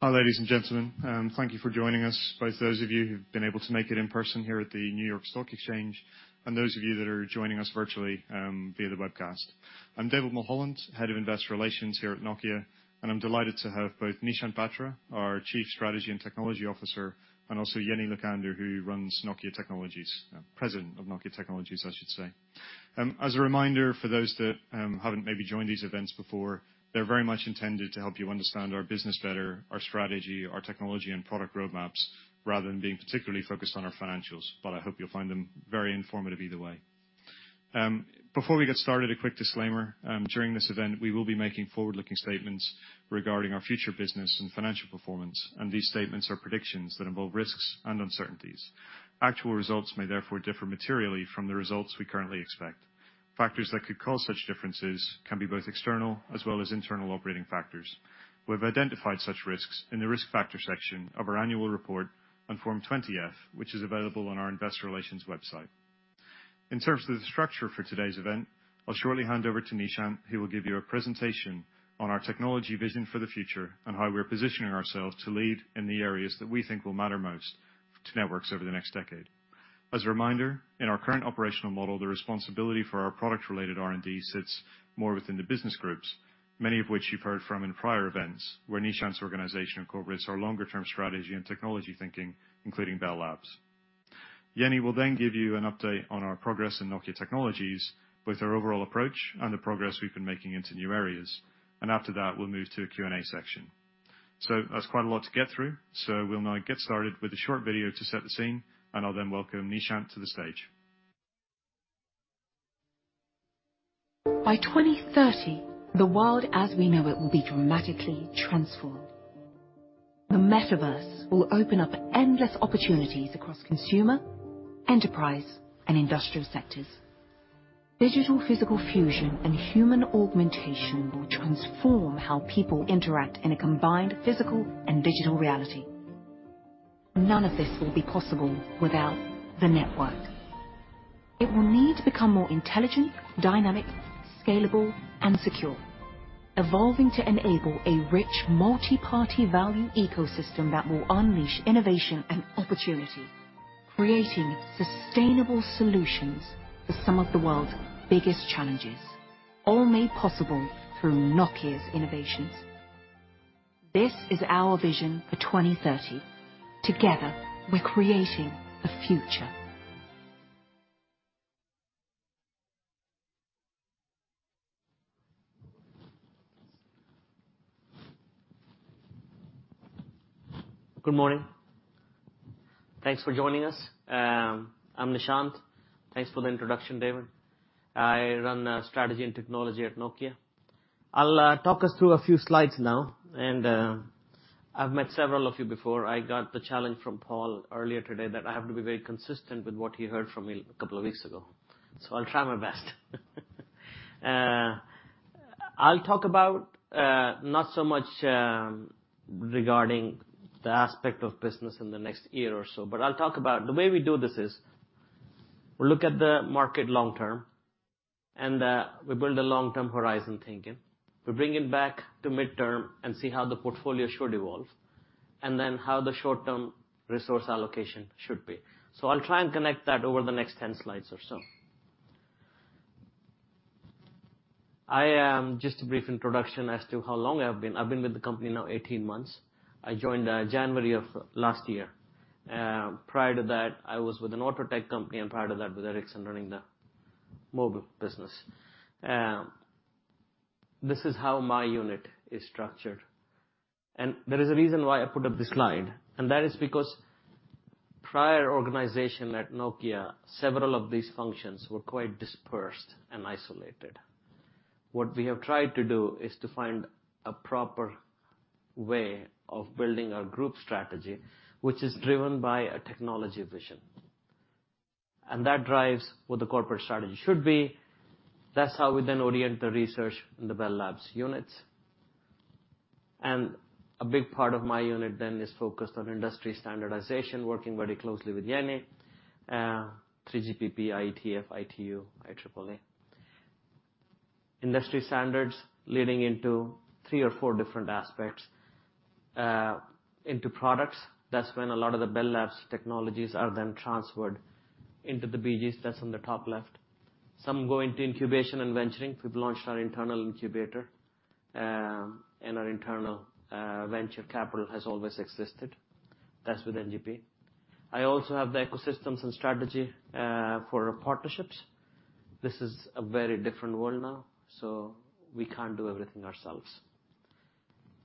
Hi, ladies and gentlemen. Thank you for joining us, both those of you who've been able to make it in person here at the New York Stock Exchange, and those of you that are joining us virtually via the webcast. I'm David Mulholland, Head of Investor Relations here at Nokia, and I'm delighted to have both Nishant Batra, our Chief Strategy and Technology Officer, and also Jenni Lukander, who runs Nokia Technologies. President of Nokia Technologies, I should say. As a reminder, for those that haven't maybe joined these events before, they're very much intended to help you understand our business better, our strategy, our technology and product roadmaps, rather than being particularly focused on our financials. I hope you'll find them very informative either way. Before we get started, a quick disclaimer. During this event, we will be making forward-looking statements regarding our future business and financial performance, and these statements are predictions that involve risks and uncertainties. Actual results may therefore differ materially from the results we currently expect. Factors that could cause such differences can be both external as well as internal operating factors. We've identified such risks in the Risk Factors section of our annual report on Form 20-F, which is available on our investor relations website. In terms of the structure for today's event, I'll shortly hand over to Nishant, who will give you a presentation on our technology vision for the future and how we're positioning ourselves to lead in the areas that we think will matter most to networks over the next decade. As a reminder, in our current operational model, the responsibility for our product-related R&D sits more within the business groups, many of which you've heard from in prior events, where Nishant's organization incorporates our longer-term strategy and technology thinking, including Bell Labs. Jenni will then give you an update on our progress in Nokia Technologies with our overall approach and the progress we've been making into new areas. After that, we'll move to a Q&A section. That's quite a lot to get through. We'll now get started with a short video to set the scene, and I'll then welcome Nishant to the stage. By 2030, the world as we know it will be dramatically transformed. The metaverse will open up endless opportunities across consumer, enterprise, and industrial sectors. Digital physical fusion and human augmentation will transform how people interact in a combined physical and digital reality. None of this will be possible without the network. It will need to become more intelligent, dynamic, scalable and secure, evolving to enable a rich, multi-party value ecosystem that will unleash innovation and opportunity, creating sustainable solutions for some of the world's biggest challenges, all made possible through Nokia's innovations. This is our vision for 2030. Together, we're creating the future. Good morning. Thanks for joining us. I'm Nishant. Thanks for the introduction, David. I run strategy and technology at Nokia. I'll talk us through a few slides now, and I've met several of you before. I got the challenge from Paul earlier today that I have to be very consistent with what you heard from me a couple of weeks ago. I'll try my best. I'll talk about not so much regarding the aspect of business in the next year or so, but I'll talk about the way we do this is we look at the market long term, and we build a long-term horizon thinking. We bring it back to midterm and see how the portfolio should evolve, and then how the short-term resource allocation should be. I'll try and connect that over the next 10 slides or so. I just a brief introduction as to how long I've been with the company now 18 months. I joined January of last year. Prior to that, I was with an auto tech company, and prior to that with Ericsson running the mobile business. This is how my unit is structured. There is a reason why I put up this slide, and that is because prior organization at Nokia, several of these functions were quite dispersed and isolated. What we have tried to do is to find a proper way of building our group strategy, which is driven by a technology vision. That drives what the corporate strategy should be. That's how we then orient the research in the Bell Labs units. A big part of my unit then is focused on industry standardization, working very closely with Jenni, 3GPP, IETF, ITU, IEEE. Industry standards leading into three or four different aspects into products. That's when a lot of the Bell Labs technologies are then transferred into the BGs. That's on the top left. Some go into incubation and venturing. We've launched our internal incubator, and our internal venture capital has always existed. That's with NGP. I also have the ecosystems and strategy for partnerships. This is a very different world now, so we can't do everything ourselves.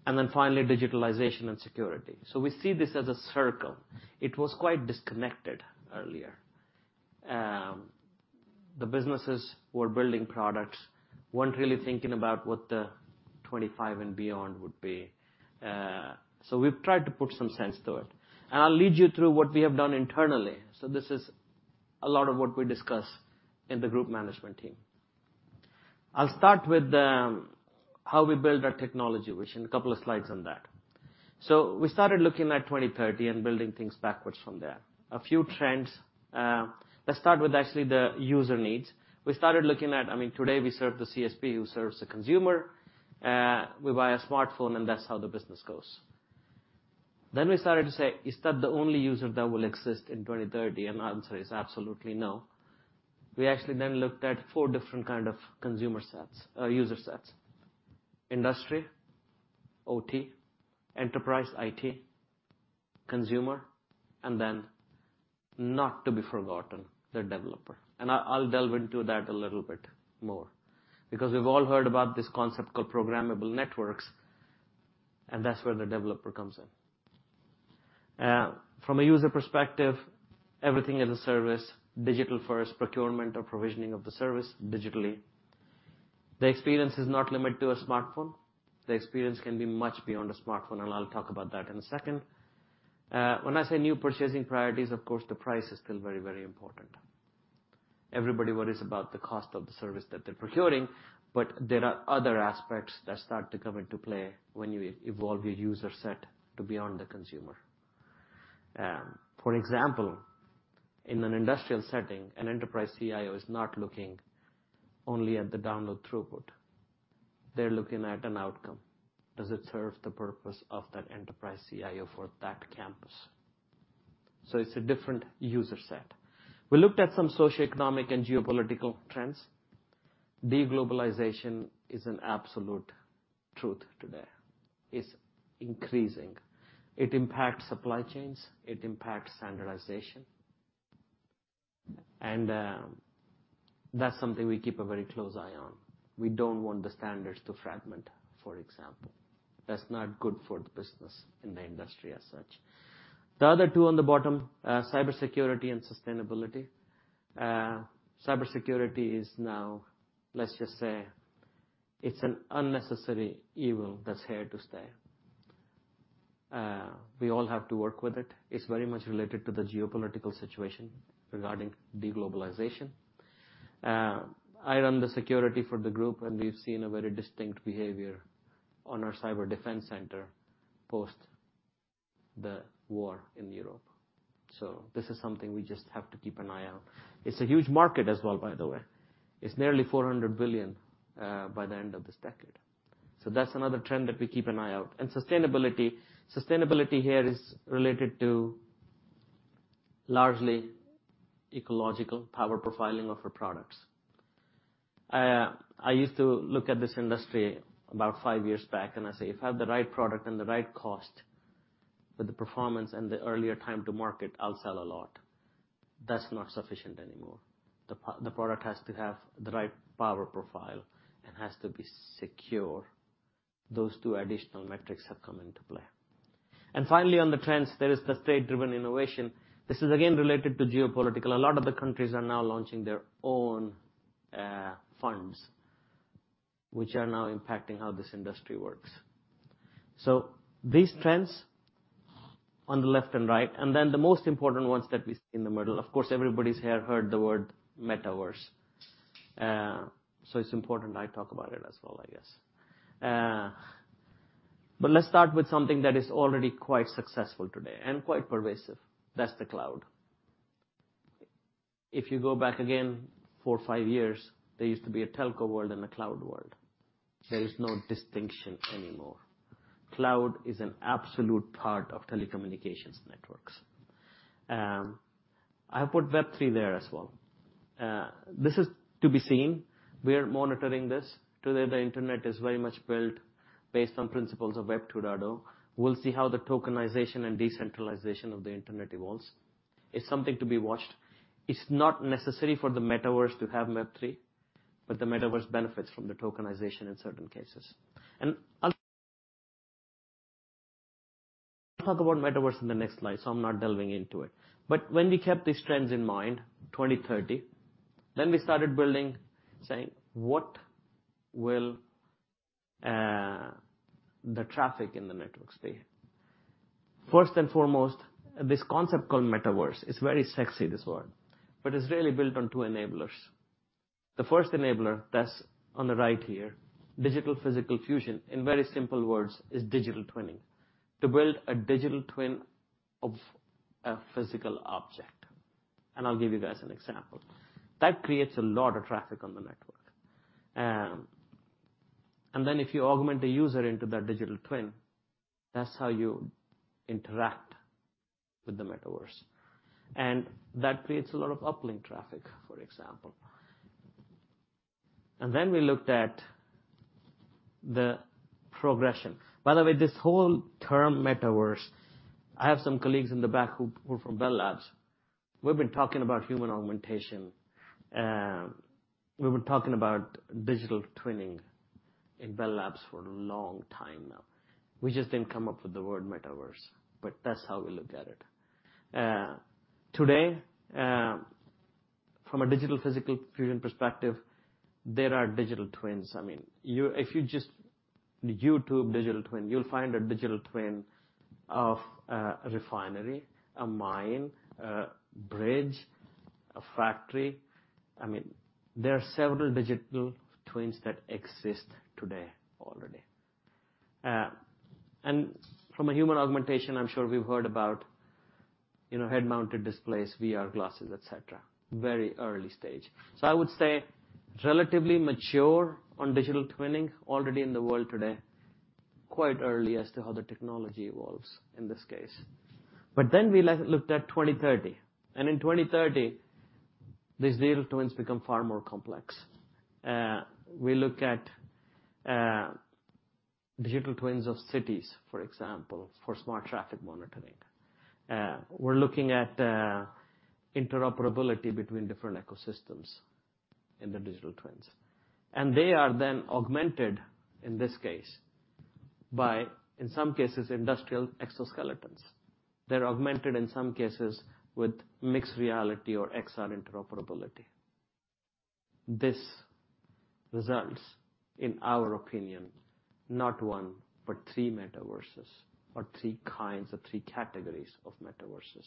Then finally, digitalization and security. So we see this as a circle. It was quite disconnected earlier. The businesses were building products, weren't really thinking about what the 2025 and beyond would be. So we've tried to put some sense to it. I'll lead you through what we have done internally. This is a lot of what we discuss in the group management team. I'll start with the, how we build our technology, which in a couple of slides on that. We started looking at 2030 and building things backwards from there. A few trends. Let's start with actually the user needs. We started looking at I mean, today we serve the CSP who serves the consumer, we buy a smartphone, and that's how the business goes. We started to say, "Is that the only user that will exist in 2030?" The answer is absolutely no. We actually then looked at four different kind of consumer sets, user sets. Industry, OT, enterprise IT, consumer, and then not to be forgotten, the developer. I'll delve into that a little bit more because we've all heard about this concept called programmable networks, and that's where the developer comes in. From a user perspective, everything as a service, digital first procurement or provisioning of the service digitally. The experience is not limited to a smartphone. The experience can be much beyond a smartphone, and I'll talk about that in a second. When I say new purchasing priorities, of course, the price is still very, very important. Everybody worries about the cost of the service that they're procuring, but there are other aspects that start to come into play when you evolve your user set to beyond the consumer. For example, in an industrial setting, an enterprise CIO is not looking only at the download throughput. They're looking at an outcome. Does it serve the purpose of that enterprise CIO for that campus? It's a different user set. We looked at some socioeconomic and geopolitical trends. Deglobalization is an absolute truth today. It's increasing. It impacts supply chains, it impacts standardization, and that's something we keep a very close eye on. We don't want the standards to fragment, for example. That's not good for the business in the industry as such. The other two on the bottom, cybersecurity and sustainability. Cybersecurity is now, let's just say, it's an unnecessary evil that's here to stay. We all have to work with it. It's very much related to the geopolitical situation regarding deglobalization. I run the security for the group, and we've seen a very distinct behavior on our cyber defense center post the war in Europe. This is something we just have to keep an eye out. It's a huge market as well, by the way. It's nearly 400 billion by the end of this decade. That's another trend that we keep an eye out. Sustainability here is related to largely ecological power profiling of our products. I used to look at this industry about five years back, and I say, "If I have the right product and the right cost, with the performance and the earlier time to market, I'll sell a lot." That's not sufficient anymore. The product has to have the right power profile and has to be secure. Those two additional metrics have come into play. Finally, on the trends, there is the state-driven innovation. This is again related to geopolitical. A lot of the countries are now launching their own firms, which are now impacting how this industry works. These trends on the left and right, and then the most important ones that we see in the middle, of course, everybody has heard the word metaverse. It's important I talk about it as well, I guess. Let's start with something that is already quite successful today and quite pervasive. That's the cloud. If you go back again four, five years, there used to be a telco world and a cloud world. There is no distinction anymore. Cloud is an absolute part of telecommunications networks. I have put Web 3.0 There as well. This is to be seen. We are monitoring this. Today, the Internet is very much built based on principles of Web 2.0. We'll see how the tokenization and decentralization of the Internet evolves. It's something to be watched. It's not necessary for the Metaverse to have Web 3.0, but the Metaverse benefits from the tokenization in certain cases. I'll talk about Metaverse in the next slide, so I'm not delving into it. When we kept these trends in mind, 2030, then we started building saying, "What will the traffic in the networks be?" First and foremost, this concept called Metaverse, it's very sexy, this word, but it's really built on two enablers. The first enabler that's on the right here, digital-physical fusion, in very simple words, is digital twinning. To build a Digital Twin of a physical object, and I'll give you guys an example. That creates a lot of traffic on the network. If you augment the user into that digital twin, that's how you interact with the metaverse. That creates a lot of uplink traffic, for example. We looked at the progression. By the way, this whole term metaverse, I have some colleagues in the back who are from Bell Labs. We've been talking about human augmentation, we've been talking about digital twinning in Bell Labs for a long time now. We just didn't come up with the word metaverse, but that's how we look at it. Today, from a digital physical fusion perspective, there are Digital Twins. I mean, if you just YouTube digital twin, you'll find a Digital Twin of a refinery, a mine, a bridge, a factory. I mean, there are several Digital Twins that exist today already. From a human augmentation, I'm sure we've heard about. You know, head-mounted displays, VR glasses, et cetera. Very early stage. I would say relatively mature on digital twinning already in the world today. Quite early as to how the technology evolves in this case. We looked at 2030, and in 2030, these Digital Twins become far more complex. We look at Digital Twins of cities, for example, for smart traffic monitoring. We're looking at interoperability between different ecosystems in the Digital Twins. They are then augmented, in this case, by, in some cases, industrial exoskeletons. They're augmented in some cases with mixed reality or XR interoperability. This results, in our opinion, not one, but three metaverses or three kinds or three categories of metaverses.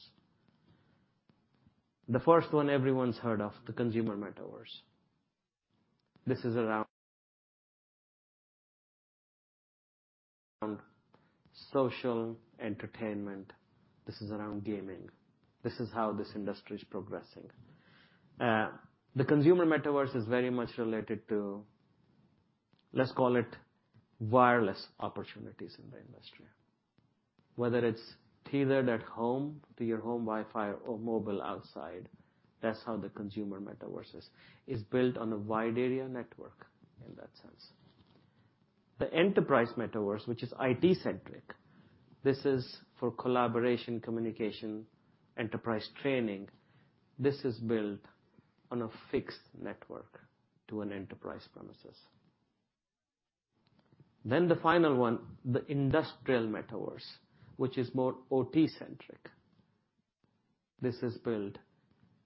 The first one everyone's heard of, the consumer metaverse. This is around social entertainment. This is around gaming. This is how this industry is progressing. The consumer metaverse is very much related to, let's call it wireless opportunities in the industry. Whether it's tethered at home to your home Wi-Fi or mobile outside, that's how the consumer metaverse is built on a wide area network in that sense. The enterprise metaverse, which is IT-centric, this is for collaboration, communication, enterprise training. This is built on a fixed network to an enterprise premises. The final one, the industrial metaverse, which is more OT-centric. This is built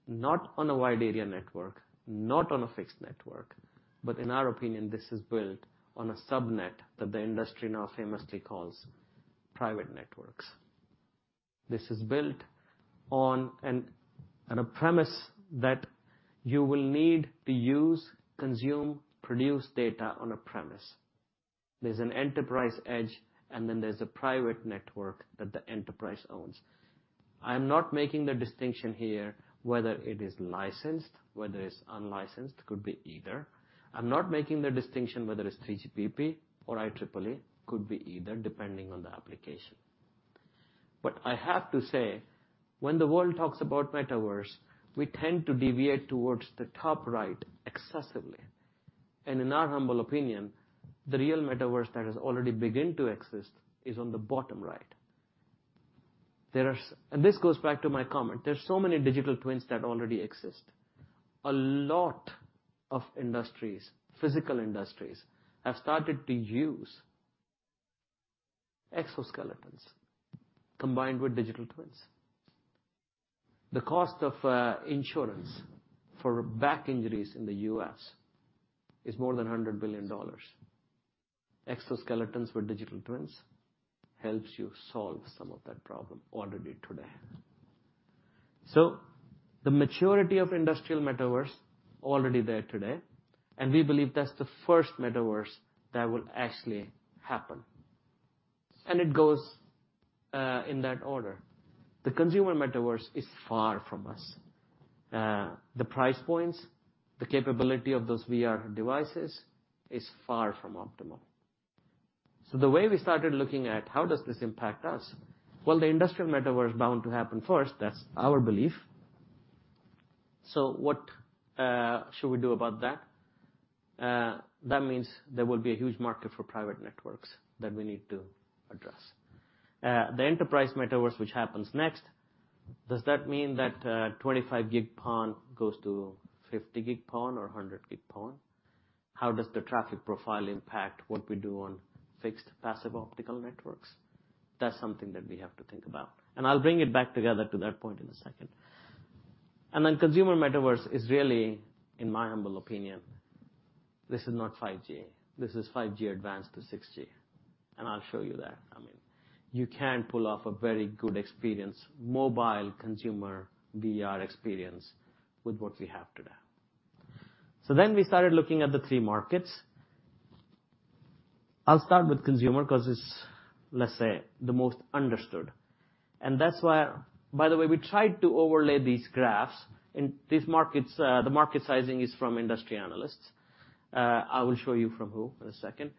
not on a wide area network, not on a fixed network, but in our opinion, this is built on a subnet that the industry now famously calls private networks. This is built on a premise that you will need to use, consume, produce data on a premise. There's an enterprise edge, and then there's a private network that the enterprise owns. I'm not making the distinction here whether it is licensed, whether it's unlicensed, could be either. I'm not making the distinction whether it's 3GPP or IEEE, could be either, depending on the application. I have to say, when the world talks about metaverse, we tend to deviate towards the top right excessively. In our humble opinion, the real metaverse that has already begin to exist is on the bottom right. This goes back to my comment, there are so many Digital Twins that already exist. A lot of industries, physical industries, have started to use exoskeletons combined with Digital Twins. The cost of insurance for back injuries in the U.S. is more than $100 billion. Exoskeletons with Digital Twins helps you solve some of that problem already today. The maturity of industrial metaverse already there today, and we believe that's the first metaverse that will actually happen. It goes in that order. The consumer metaverse is far from us. The price points, the capability of those VR devices is far from optimal. The way we started looking at how does this impact us? The industrial metaverse bound to happen first, that's our belief. What should we do about that? That means there will be a huge market for private networks that we need to address. The enterprise metaverse, which happens next, does that mean that 25 gig PON goes to 50 gig PON or a 100 gig PON? How does the traffic profile impact what we do on fixed passive optical networks? That's something that we have to think about. I'll bring it back together to that point in a second. Consumer metaverse is really, in my humble opinion, this is not 5G, this is 5G-Advanced to 6G. I'll show you that. I mean, you can pull off a very good experience, mobile consumer VR experience with what we have today. We started looking at the three markets. I'll start with consumer 'cause it's, let's say, the most understood. That's why. By the way, we tried to overlay these graphs. In these markets, the market sizing is from industry analysts. I will show you from who in a second.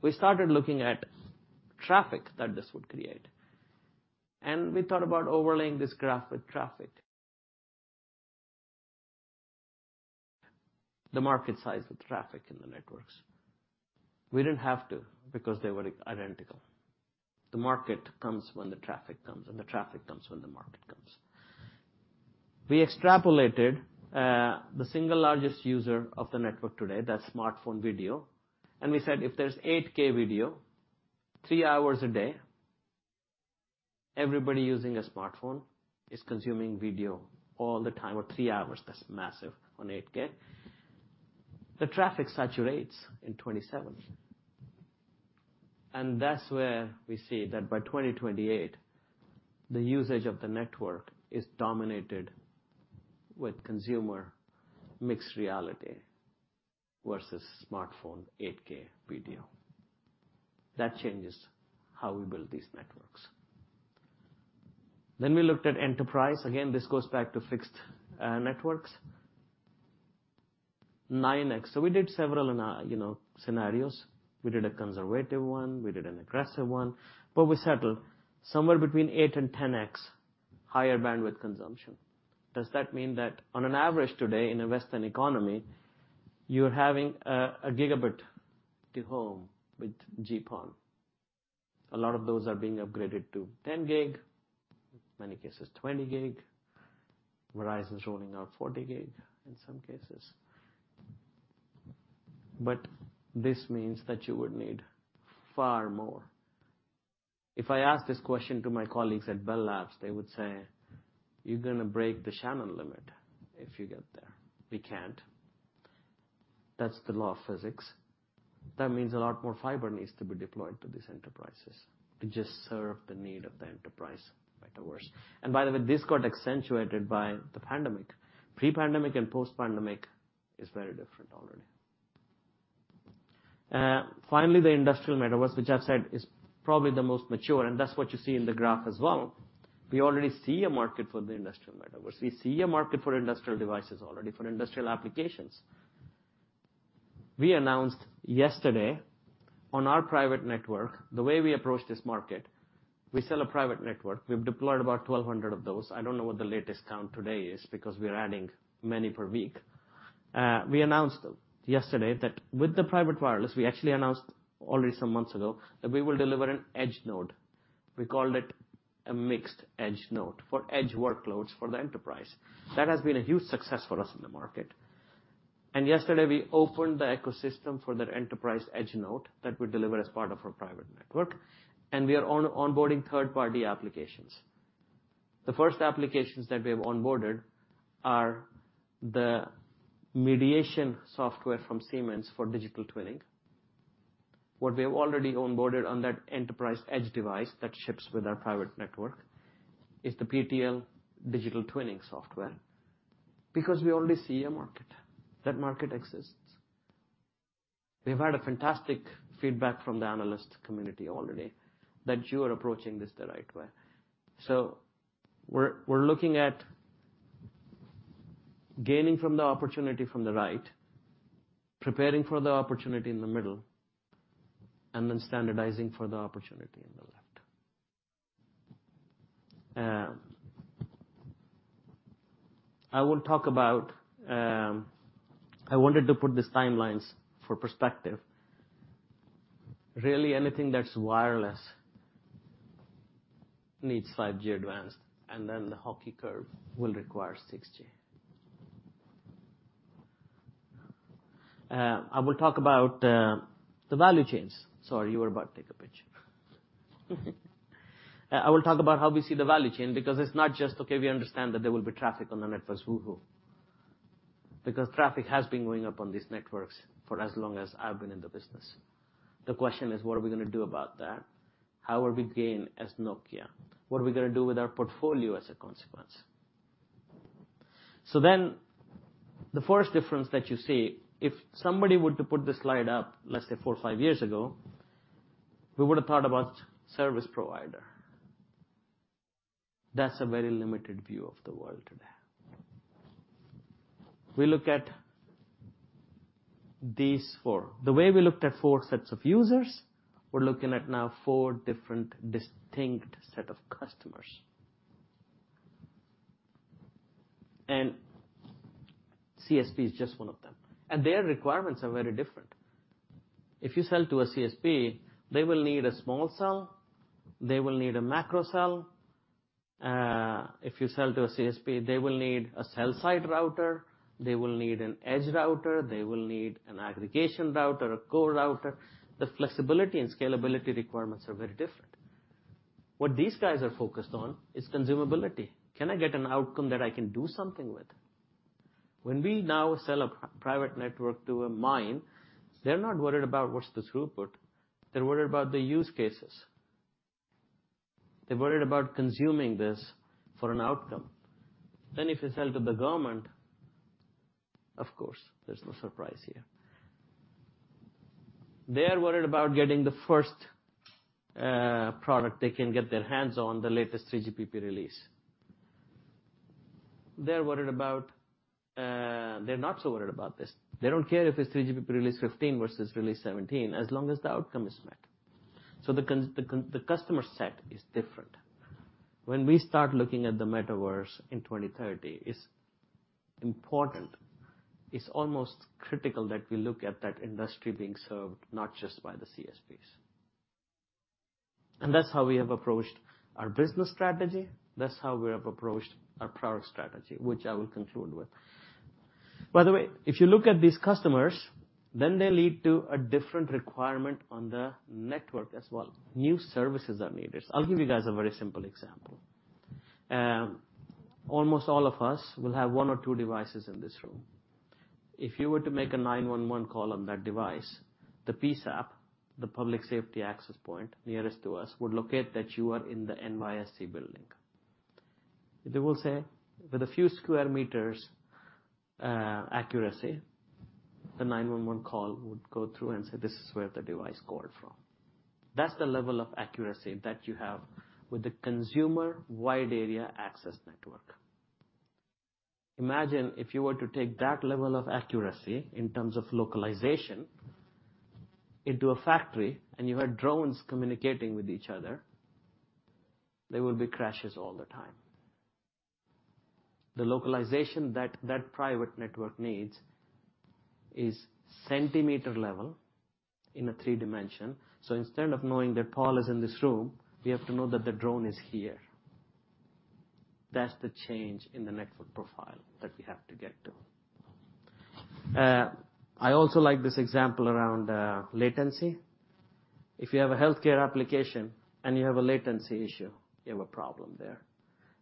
We started looking at traffic that this would create. We thought about overlaying this graph with traffic. The market size with traffic in the networks. We didn't have to because they were identical. The market comes when the traffic comes, and the traffic comes when the market comes. We extrapolated the single largest user of the network today, that's smartphone video, and we said, "If there's 8K video, three hours a day, everybody using a smartphone is consuming video all the time or three hours." That's massive on 8K. The traffic saturates in 2027. That's where we see that by 2028, the usage of the network is dominated with consumer mixed reality versus smartphone 8K video. That changes how we build these networks. We looked at enterprise. Again, this goes back to fixed networks. 9x. We did several in, you know, scenarios. We did a conservative one, we did an aggressive one, but we settled somewhere between 8x and 10x higher bandwidth consumption. Does that mean that on an average today in a Western economy, you are having a gigabit to home with GPON. A lot of those are being upgraded to 10 gig, many cases 20 gig. Verizon's rolling out 40 gig in some cases. But this means that you would need far more. If I ask this question to my colleagues at Bell Labs, they would say, "You're gonna break the Shannon limit if you get there." We can't. That's the law of physics. That means a lot more fiber needs to be deployed to these enterprises to just serve the need of the enterprise metaverse. By the way, this got accentuated by the pandemic. Pre-pandemic and post-pandemic is very different already. Finally, the industrial metaverse, which I've said is probably the most mature, and that's what you see in the graph as well. We already see a market for the industrial metaverse. We see a market for industrial devices already, for industrial applications. We announced yesterday on our private network, the way we approach this market, we sell a private network. We've deployed about 1,200 of those. I don't know what the latest count today is because we're adding many per week. We announced yesterday that with the private wireless, we actually announced already some months ago, that we will deliver an edge node. We called it a mixed edge node for edge workloads for the enterprise. That has been a huge success for us in the market. Yesterday, we opened the ecosystem for that enterprise edge node that we deliver as part of our private network, and we are onboarding third-party applications. The first applications that we have onboarded are the mediation software from Siemens for digital twinning. What we have already onboarded on that enterprise edge device that ships with our private network is the PTC digital twinning software. Because we already see a market. That market exists. We've had a fantastic feedback from the analyst community already that you are approaching this the right way. We're looking at gaining from the opportunity from the right, preparing for the opportunity in the middle, and then standardizing for the opportunity in the left. I wanted to put these timelines in perspective. Really anything that's wireless needs 5G-Advanced, and then the hockey-stick curve will require 6G. Sorry, you were about to take a picture. I will talk about how we see the value chain because it's not just, okay, we understand that there will be traffic on the networks, woo-hoo. Because traffic has been going up on these networks for as long as I've been in the business. The question is, what are we gonna do about that? How are we gonna, as Nokia? What are we gonna do with our portfolio as a consequence? The first difference that you see, if somebody were to put this slide up, let's say four, five years ago, we would have thought about service provider. That's a very limited view of the world today. We look at these four. The way we looked at four sets of users, we're looking at now four different distinct set of customers. CSP is just one of them, and their requirements are very different. If you sell to a CSP, they will need a small cell, they will need a macro cell. If you sell to a CSP, they will need a cell site router, they will need an edge router, they will need an aggregation router, a core router. The flexibility and scalability requirements are very different. What these guys are focused on is consumability. Can I get an outcome that I can do something with? When we now sell a private network to a mine, they're not worried about what's the throughput, they're worried about the use cases. They're worried about consuming this for an outcome. Then if you sell to the government, of course, there's no surprise here. They're worried about getting the first product they can get their hands on, the latest 3GPP release. They're worried about. They're not so worried about this. They don't care if it's 3GPP Release 15 versus Release 17 as long as the outcome is met. The customer set is different. When we start looking at the metaverse in 2030, it's important, it's almost critical that we look at that industry being served not just by the CSPs. That's how we have approached our business strategy, that's how we have approached our product strategy, which I will conclude with. By the way, if you look at these customers, then they lead to a different requirement on the network as well. New services are needed. I'll give you guys a very simple example. Almost all of us will have one or two devices in this room. If you were to make a 911 call on that device, the PSAP, the Public Safety Access Point nearest to us would locate that you are in the NYSE building. They will say with a few square meters accuracy, the 911 call would go through and say, "This is where the device called from." That's the level of accuracy that you have with the consumer wide area access network. Imagine if you were to take that level of accuracy in terms of localization into a factory, and you had drones communicating with each other, there would be crashes all the time. The localization that that private network needs is centimeter level in three dimensions. Instead of knowing that Paul is in this room, we have to know that the drone is here. That's the change in the network profile that we have to get to. I also like this example around latency. If you have a healthcare application and you have a latency issue, you have a problem there.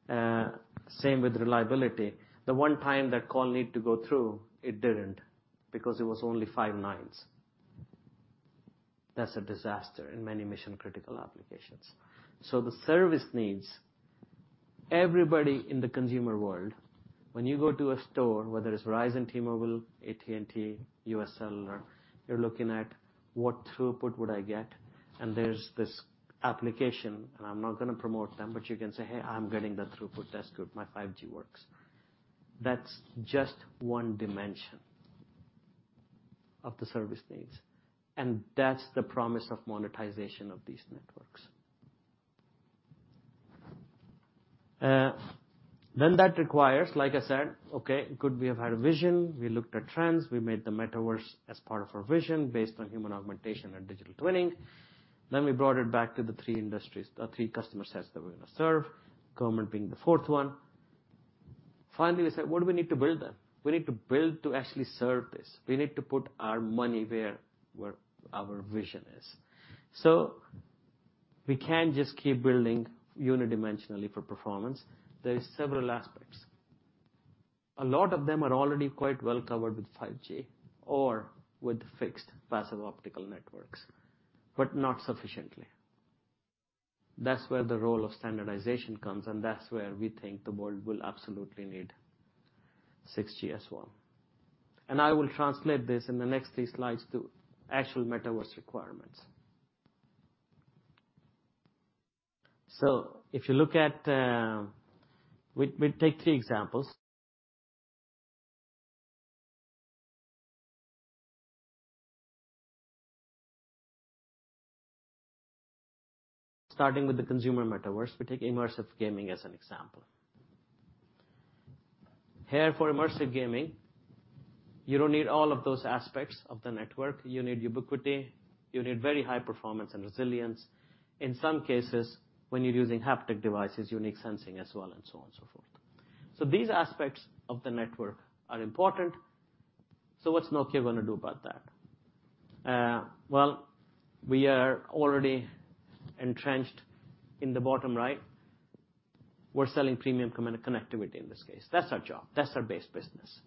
Same with reliability. The one time that call needed to go through, it didn't, because it was only five 9's. That's a disaster in many mission-critical applications. The service needs everybody in the consumer world. When you go to a store, whether it's Verizon, T-Mobile, AT&T, U.S. Cellular, you're looking at what throughput would I get? There's this application, and I'm not gonna promote them, but you can say, "Hey, I'm getting the throughput. That's good. My 5G works." That's just one dimension of the service needs, and that's the promise of monetization of these networks. That requires, like I said, okay, good, we have had a vision. We looked at trends. We made the Metaverse as part of our vision based on human augmentation and digital twinning. We brought it back to the three industries or three customer sets that we're gonna serve, government being the fourth one. Finally, we said, "What do we need to build then?" We need to build to actually serve this. We need to put our money where our vision is. We can't just keep building uni-dimensionally for performance. There is several aspects. A lot of them are already quite well covered with 5G or with fixed passive optical networks, but not sufficiently. That's where the role of standardization comes, and that's where we think the world will absolutely need 6G as well. I will translate this in the next three slides to actual Metaverse requirements. If you look at, we'll take three examples. Starting with the consumer metaverse, we take immersive gaming as an example. Here for immersive gaming, you don't need all of those aspects of the network. You need ubiquity. You need very high performance and resilience. In some cases, when you're using haptic devices, you need sensing as well and so on and so forth. So these aspects of the network are important. So what's Nokia gonna do about that? Well, we are already entrenched in the bottom right. We're selling premium connectivity in this case. That's our job. That's our base business.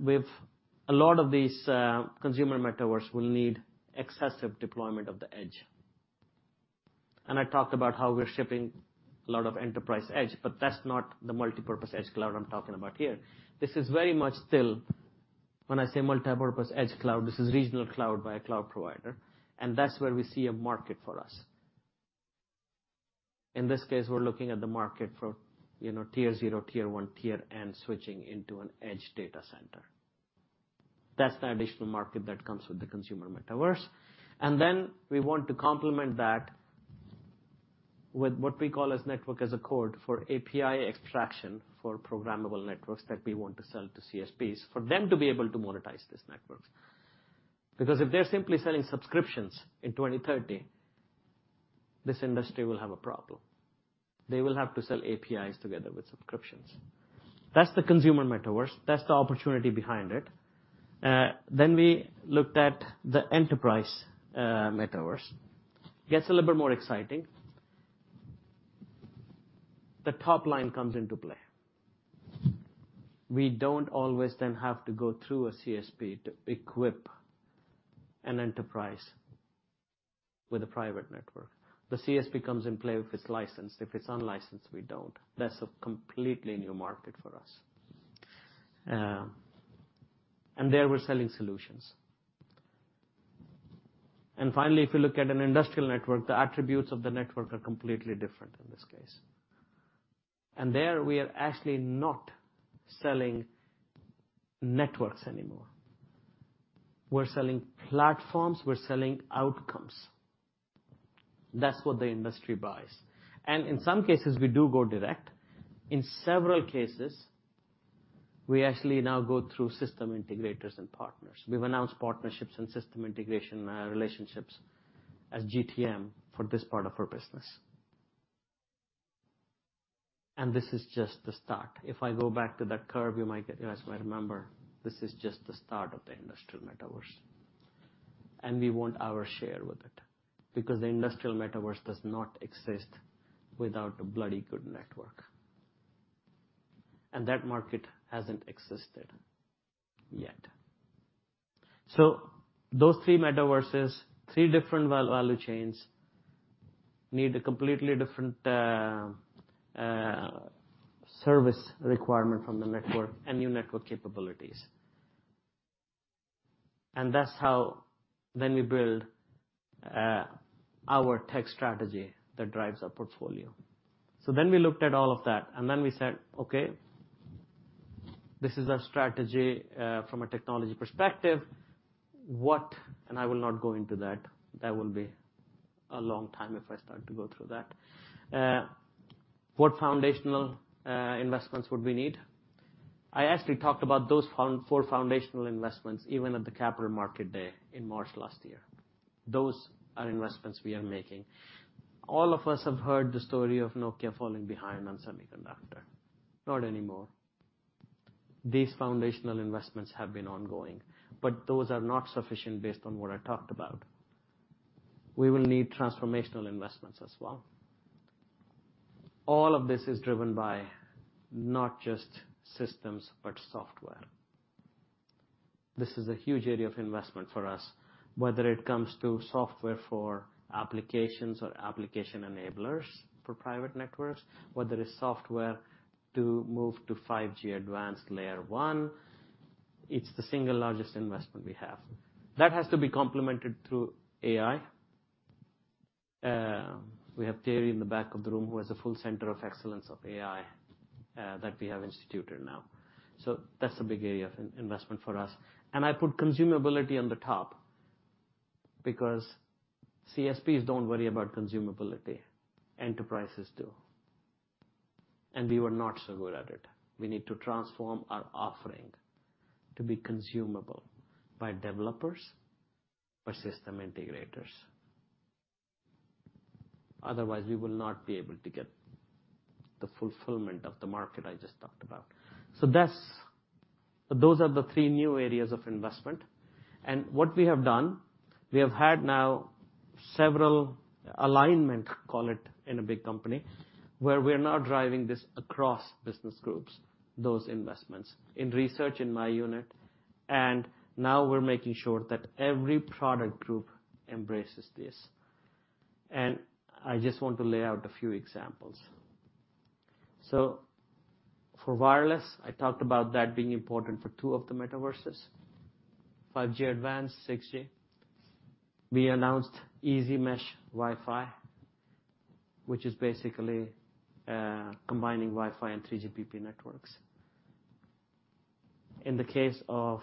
With a lot of these, consumer metaverse will need excessive deployment of the edge. I talked about how we're shipping a lot of enterprise edge, but that's not the multipurpose edge cloud I'm talking about here. This is very much still, when I say multipurpose edge cloud, this is regional cloud by a cloud provider, and that's where we see a market for us. In this case, we're looking at the market for, you know, tier zero, tier 1, tier N, switching into an edge data center. That's the additional market that comes with the consumer metaverse. We want to complement that with what we call Network as Code for API extraction for programmable networks that we want to sell to CSPs for them to be able to monetize these networks. Because if they're simply selling subscriptions in 2030, this industry will have a problem. They will have to sell APIs together with subscriptions. That's the consumer metaverse. That's the opportunity behind it. We looked at the enterprise metaverse. Gets a little bit more exciting. The top line comes into play. We don't always then have to go through a CSP to equip an enterprise with a private network. The CSP comes in play if it's licensed. If it's unlicensed, we don't. That's a completely new market for us. There we're selling solutions. Finally, if you look at an industrial network, the attributes of the network are completely different in this case. There, we are actually not selling networks anymore. We're selling platforms. We're selling outcomes. That's what the industry buys. In some cases, we do go direct. In several cases, we actually now go through system integrators and partners. We've announced partnerships and system integration, relationships as GTM for this part of our business. This is just the start. If I go back to that curve, you might get. You guys might remember, this is just the start of the industrial metaverse. We want our share with it, because the industrial metaverse does not exist without a bloody good network. That market hasn't existed yet. Those three metaverses, three different value chains need a completely different service requirement from the network and new network capabilities. That's how then we build our tech strategy that drives our portfolio. We looked at all of that, and then we said, "Okay, this is our strategy from a technology perspective. What..." I will not go into that. That will be a long time if I start to go through that. What foundational investments would we need? I actually talked about those four foundational investments even at the Capital Markets Day in March last year. Those are investments we are making. All of us have heard the story of Nokia falling behind on semiconductor. Not anymore. These foundational investments have been ongoing, but those are not sufficient based on what I talked about. We will need transformational investments as well. All of this is driven by not just systems, but software. This is a huge area of investment for us, whether it comes to software for applications or application enablers for private networks, whether it's software to move to 5G-Advanced layer one. It's the single largest investment we have. That has to be complemented through AI. We have Terry in the back of the room who has a full center of excellence of AI that we have instituted now. That's a big area of investment for us. I put consumability on the top because CSPs don't worry about consumability, enterprises do. We were not so good at it. We need to transform our offering to be consumable by developers, by system integrators. Otherwise, we will not be able to get the fulfillment of the market I just talked about. That's those are the three new areas of investment. What we have done, we have had now several alignment, call it, in a big company, where we're now driving this across business groups, those investments, in research in my unit, and now we're making sure that every product group embraces this. I just want to lay out a few examples. For wireless, I talked about that being important for two of the metaverses, 5G-Advanced, 6G. We announced EasyMesh Wi-Fi, which is basically combining Wi-Fi and 3GPP networks. In the case of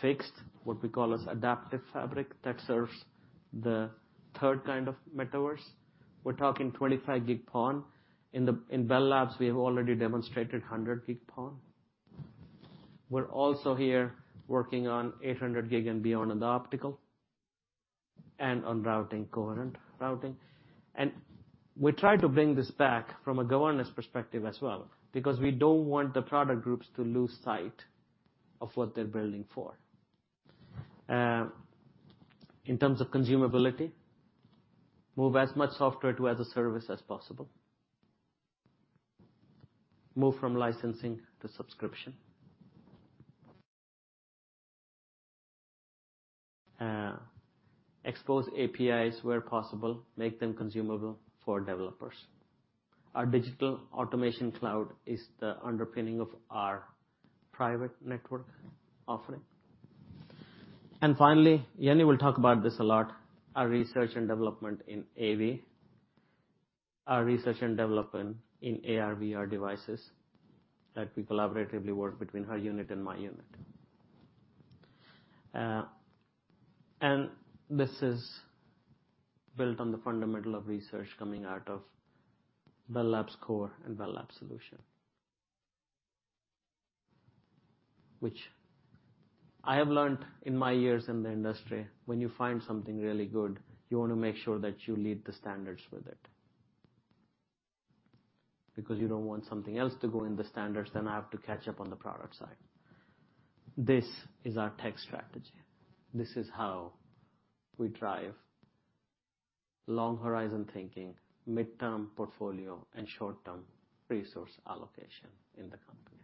fixed, what we call as Adaptive Fabric that serves the third kind of metaverse, we're talking 25 gig PON. In Bell Labs, we have already demonstrated 100 gig PON. We're also here working on 800 gig and beyond in the optical and on routing, coherent routing. We try to bring this back from a governance perspective as well, because we don't want the product groups to lose sight of what they're building for. In terms of consumability, move as much software to as a service as possible. Move from licensing to subscription. Expose APIs where possible, make them consumable for developers. Our Digital Automation Cloud is the underpinning of our private network offering. Finally, Jenni will talk about this a lot, our research and development in AV, our research and development in AR/VR devices that we collaboratively work between her unit and my unit. This is built on the fundamental of research coming out of Bell Labs Core and Bell Labs Solutions, which I have learned in my years in the industry, when you find something really good, you wanna make sure that you lead the standards with it. Because you don't want something else to go in the standards, then have to catch up on the product side. This is our tech strategy. This is how we drive long-horizon thinking, midterm portfolio, and short-term resource allocation in the company.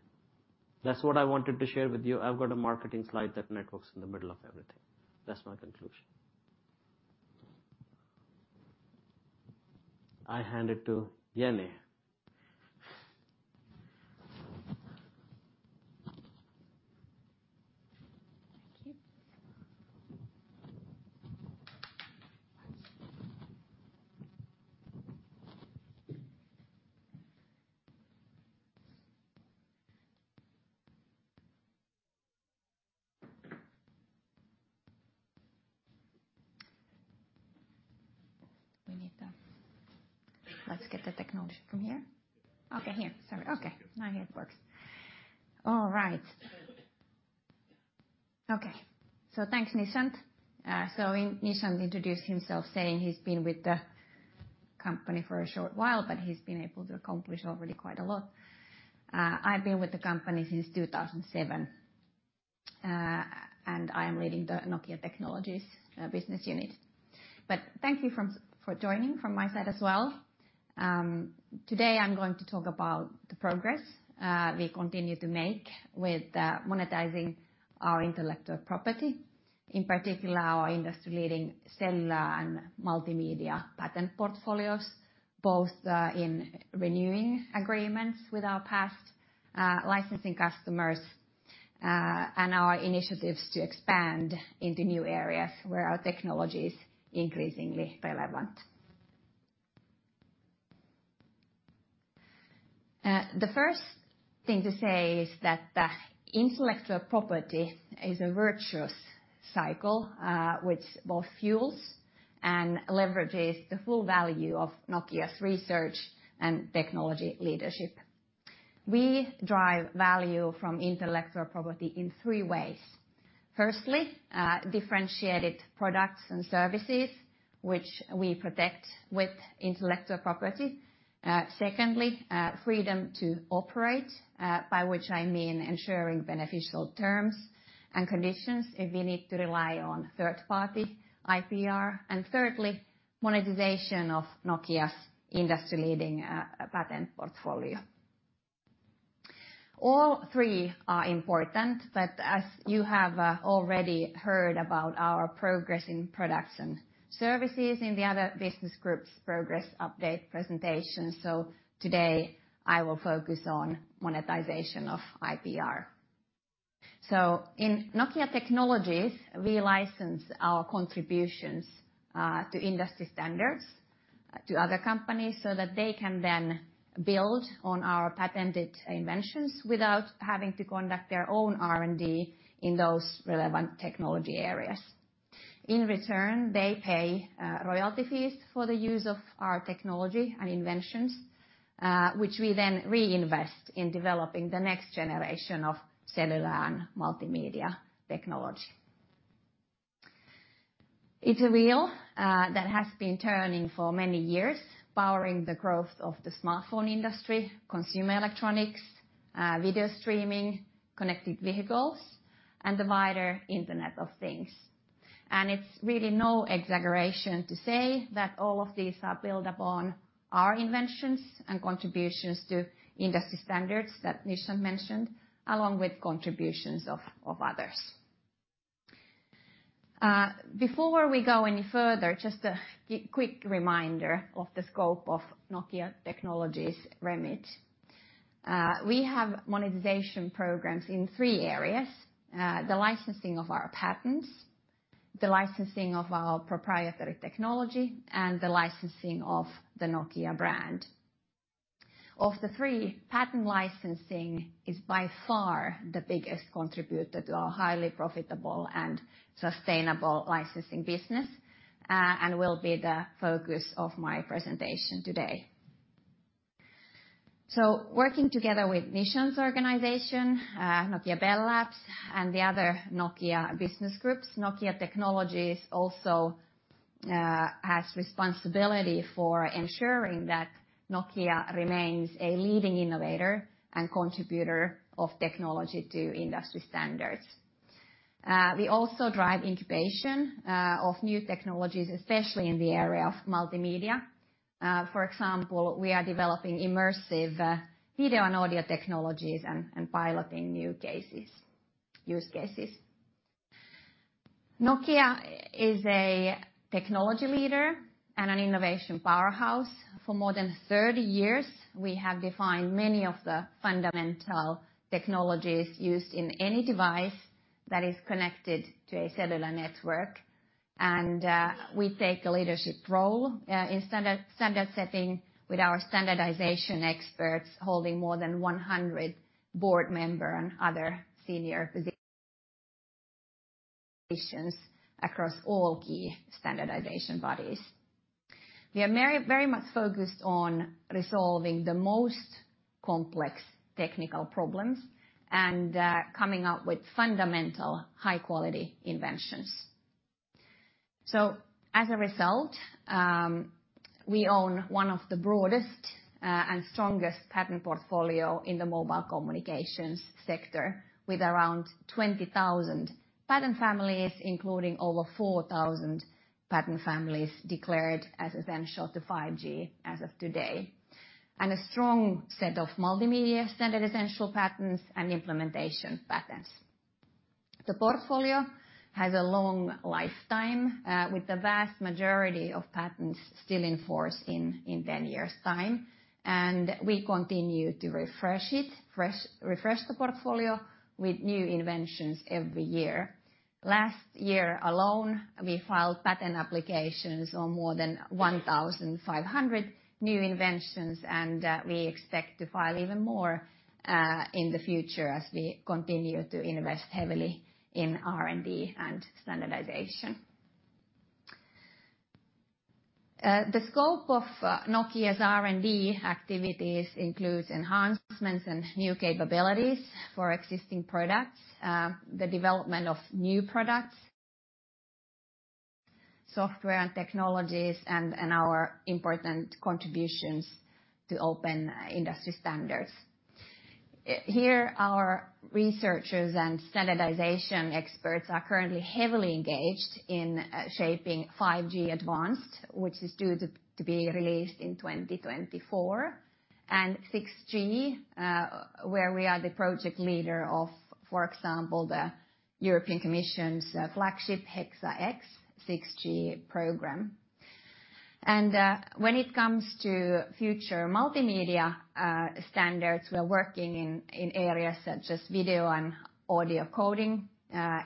That's what I wanted to share with you. I've got a marketing slide that networks is in the middle of everything. That's my conclusion. I hand it to Jenni. Thanks, Nishant. Nishant introduced himself saying he's been with the company for a short while, but he's been able to accomplish already quite a lot. I've been with the company since 2007, and I am leading the Nokia Technologies business unit. Thank you for joining from my side as well. Today I'm going to talk about the progress we continue to make with monetizing our intellectual property, in particular our industry-leading cellular and multimedia patent portfolios, both in renewing agreements with our past licensing customers, and our initiatives to expand into new areas where our technology is increasingly relevant. The first thing to say is that the intellectual property is a virtuous cycle, which both fuels and leverages the full value of Nokia's research and technology leadership. We drive value from intellectual property in three ways. Firstly, differentiated products and services which we protect with intellectual property. Secondly, freedom to operate, by which I mean ensuring beneficial terms and conditions if we need to rely on third-party IPR. Thirdly, monetization of Nokia's industry-leading patent portfolio. All three are important, but as you have already heard about our progress in products and services in the other business groups' progress update presentation, so today I will focus on monetization of IPR. In Nokia Technologies, we license our contributions to industry standards to other companies so that they can then build on our patented inventions without having to conduct their own R&D in those relevant technology areas. In return, they pay royalty fees for the use of our technology and inventions, which we then reinvest in developing the next generation of cellular and multimedia technology. It's a wheel that has been turning for many years, powering the growth of the smartphone industry, consumer electronics, video streaming, connected vehicles, and the wider Internet of Things. It's really no exaggeration to say that all of these are built upon our inventions and contributions to industry standards that Nishan mentioned, along with contributions of others. Before we go any further, just a quick reminder of the scope of Nokia Technologies' remit. We have monetization programs in three areas: the licensing of our patents, the licensing of our proprietary technology, and the licensing of the Nokia brand. Of the three, patent licensing is by far the biggest contributor to our highly profitable and sustainable licensing business, and will be the focus of my presentation today. Working together with Nishant's organization, Nokia Bell Labs, and the other Nokia business groups, Nokia Technologies also has responsibility for ensuring that Nokia remains a leading innovator and contributor of technology to industry standards. We also drive incubation of new technologies, especially in the area of multimedia. For example, we are developing immersive video and audio technologies and piloting new use cases. Nokia is a technology leader and an innovation powerhouse. For more than 30 years, we have defined many of the fundamental technologies used in any device that is connected to a cellular network, and we take a leadership role in standard-setting with our standardization experts holding more than 100 board member and other senior positions across all key standardization bodies. We are very, very much focused on resolving the most complex technical problems and coming up with fundamental high-quality inventions. As a result, we own one of the broadest and strongest patent portfolio in the mobile communications sector with around 20,000 patent families, including over 4,000 patent families declared as essential to 5G as of today, and a strong set of multimedia standard essential patents and implementation patents. The portfolio has a long lifetime with the vast majority of patents still in force in 10 years' time, and we continue to refresh the portfolio with new inventions every year. Last year alone, we filed patent applications on more than 1,500 new inventions, and we expect to file even more in the future as we continue to invest heavily in R&D and standardization. The scope of Nokia's R&D activities includes enhancements and new capabilities for existing products, the development of new products, software and technologies and our important contributions to open industry standards. Here our researchers and standardization experts are currently heavily engaged in shaping 5G-Advanced, which is due to be released in 2024, and 6G, where we are the project leader of, for example, the European Commission's flagship Hexa-X 6G program. When it comes to future multimedia standards, we are working in areas such as video and audio coding,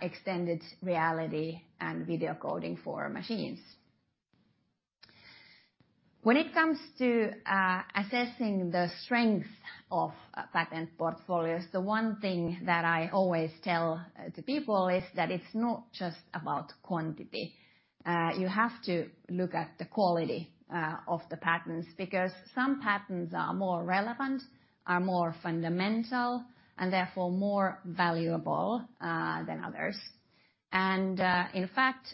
extended reality, and video coding for machines. When it comes to assessing the strength of patent portfolios, the one thing that I always tell to people is that it's not just about quantity. You have to look at the quality of the patents, because some patents are more relevant, are more fundamental, and therefore more valuable than others. In fact,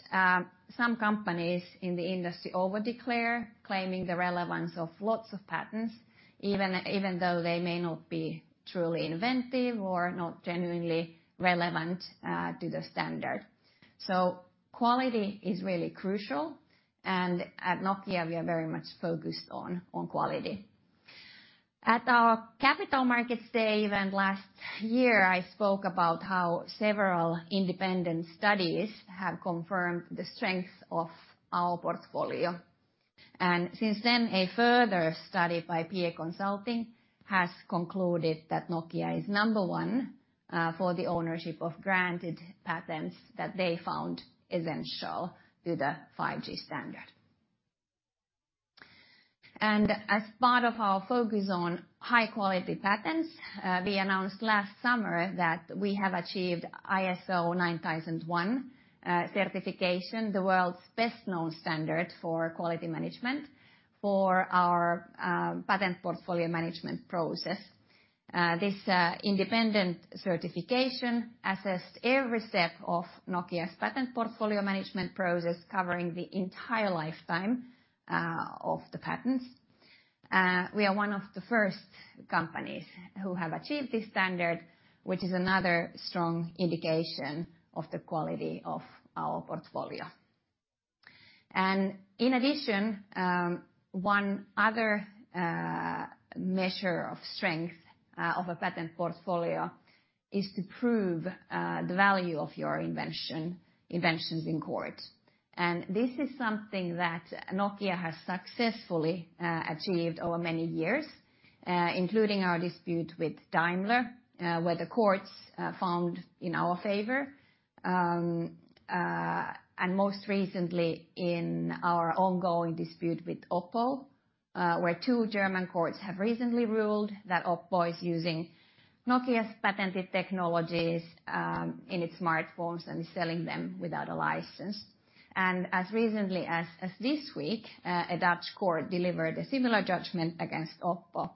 some companies in the industry over-declare, claiming the relevance of lots of patents even though they may not be truly inventive or not genuinely relevant to the standard. Quality is really crucial, and at Nokia we are very much focused on quality. At our Capital Markets Day event last year, I spoke about how several independent studies have confirmed the strength of our portfolio, and since then, a further study by PA Consulting has concluded that Nokia is number one for the ownership of granted patents that they found essential to the 5G standard. As part of our focus on high-quality patents, we announced last summer that we have achieved ISO 9001 certification, the world's best-known standard for quality management, for our patent portfolio management process. This independent certification assessed every step of Nokia's patent portfolio management process, covering the entire lifetime of the patents. We are one of the first companies who have achieved this standard, which is another strong indication of the quality of our portfolio. In addition, one other measure of strength of a patent portfolio is to prove the value of your inventions in court. This is something that Nokia has successfully achieved over many years, including our dispute with Daimler, where the courts found in our favor. Most recently in our ongoing dispute with OPPO, where two German courts have recently ruled that OPPO is using Nokia's patented technologies in its smartphones and is selling them without a license. As recently as this week, a Dutch court delivered a similar judgment against OPPO.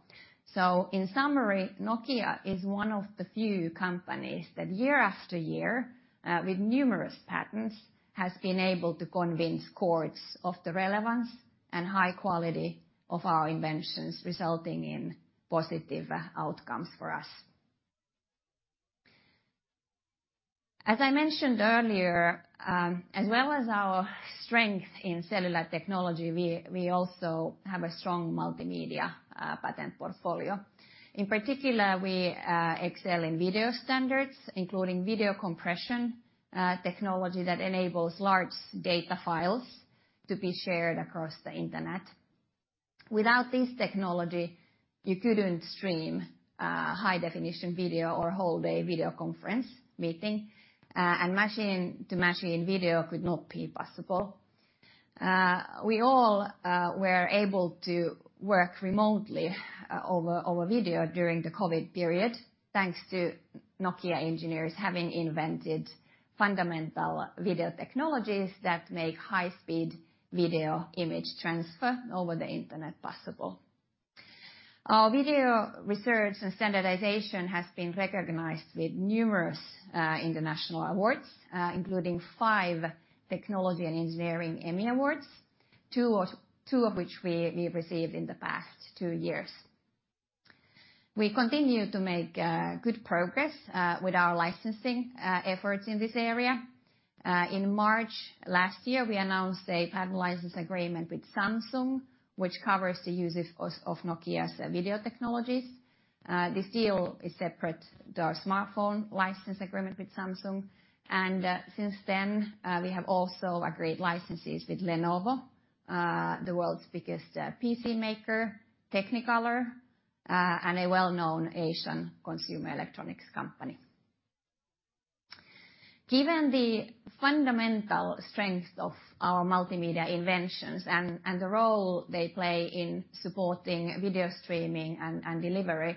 In summary, Nokia is one of the few companies that year after year with numerous patents has been able to convince courts of the relevance and high quality of our inventions, resulting in positive outcomes for us. As I mentioned earlier, as well as our strength in cellular technology, we also have a strong multimedia patent portfolio. In particular, we excel in video standards, including video compression technology that enables large data files to be shared across the internet. Without this technology, you couldn't stream high-definition video or hold a video conference meeting, and machine-to-machine video could not be possible. We all were able to work remotely over video during the COVID period thanks to Nokia engineers having invented fundamental video technologies that make high-speed video image transfer over the internet possible. Our video research and standardization has been recognized with numerous international awards, including five Technology & Engineering Emmy Awards, two of which we've received in the past two years. We continue to make good progress with our licensing efforts in this area. In March last year, we announced a patent license agreement with Samsung, which covers the uses of Nokia's video technologies. This deal is separate to our smartphone license agreement with Samsung, and since then, we have also agreed licenses with Lenovo, the world's biggest PC maker, Technicolor, and a well-known Asian consumer electronics company. Given the fundamental strength of our multimedia inventions and the role they play in supporting video streaming and delivery,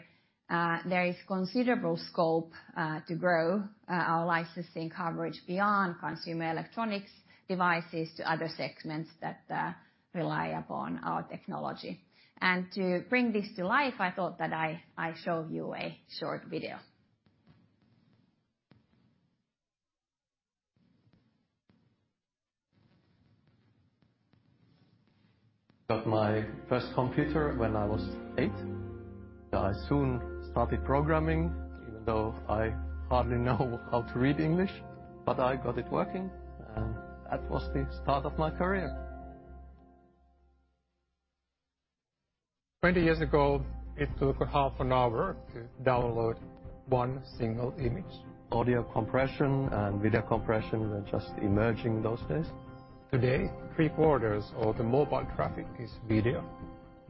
there is considerable scope to grow our licensing coverage beyond consumer electronics devices to other segments that rely upon our technology. To bring this to life, I thought that I show you a short video. Got my first computer when I was eiight. I soon started programming, even though I hardly know how to read English, but I got it working, and that was the start of my career. 20 years ago, it took half an hour to download one single image. Audio compression and video compression were just emerging those days. Today, three-quarters of the mobile traffic is video.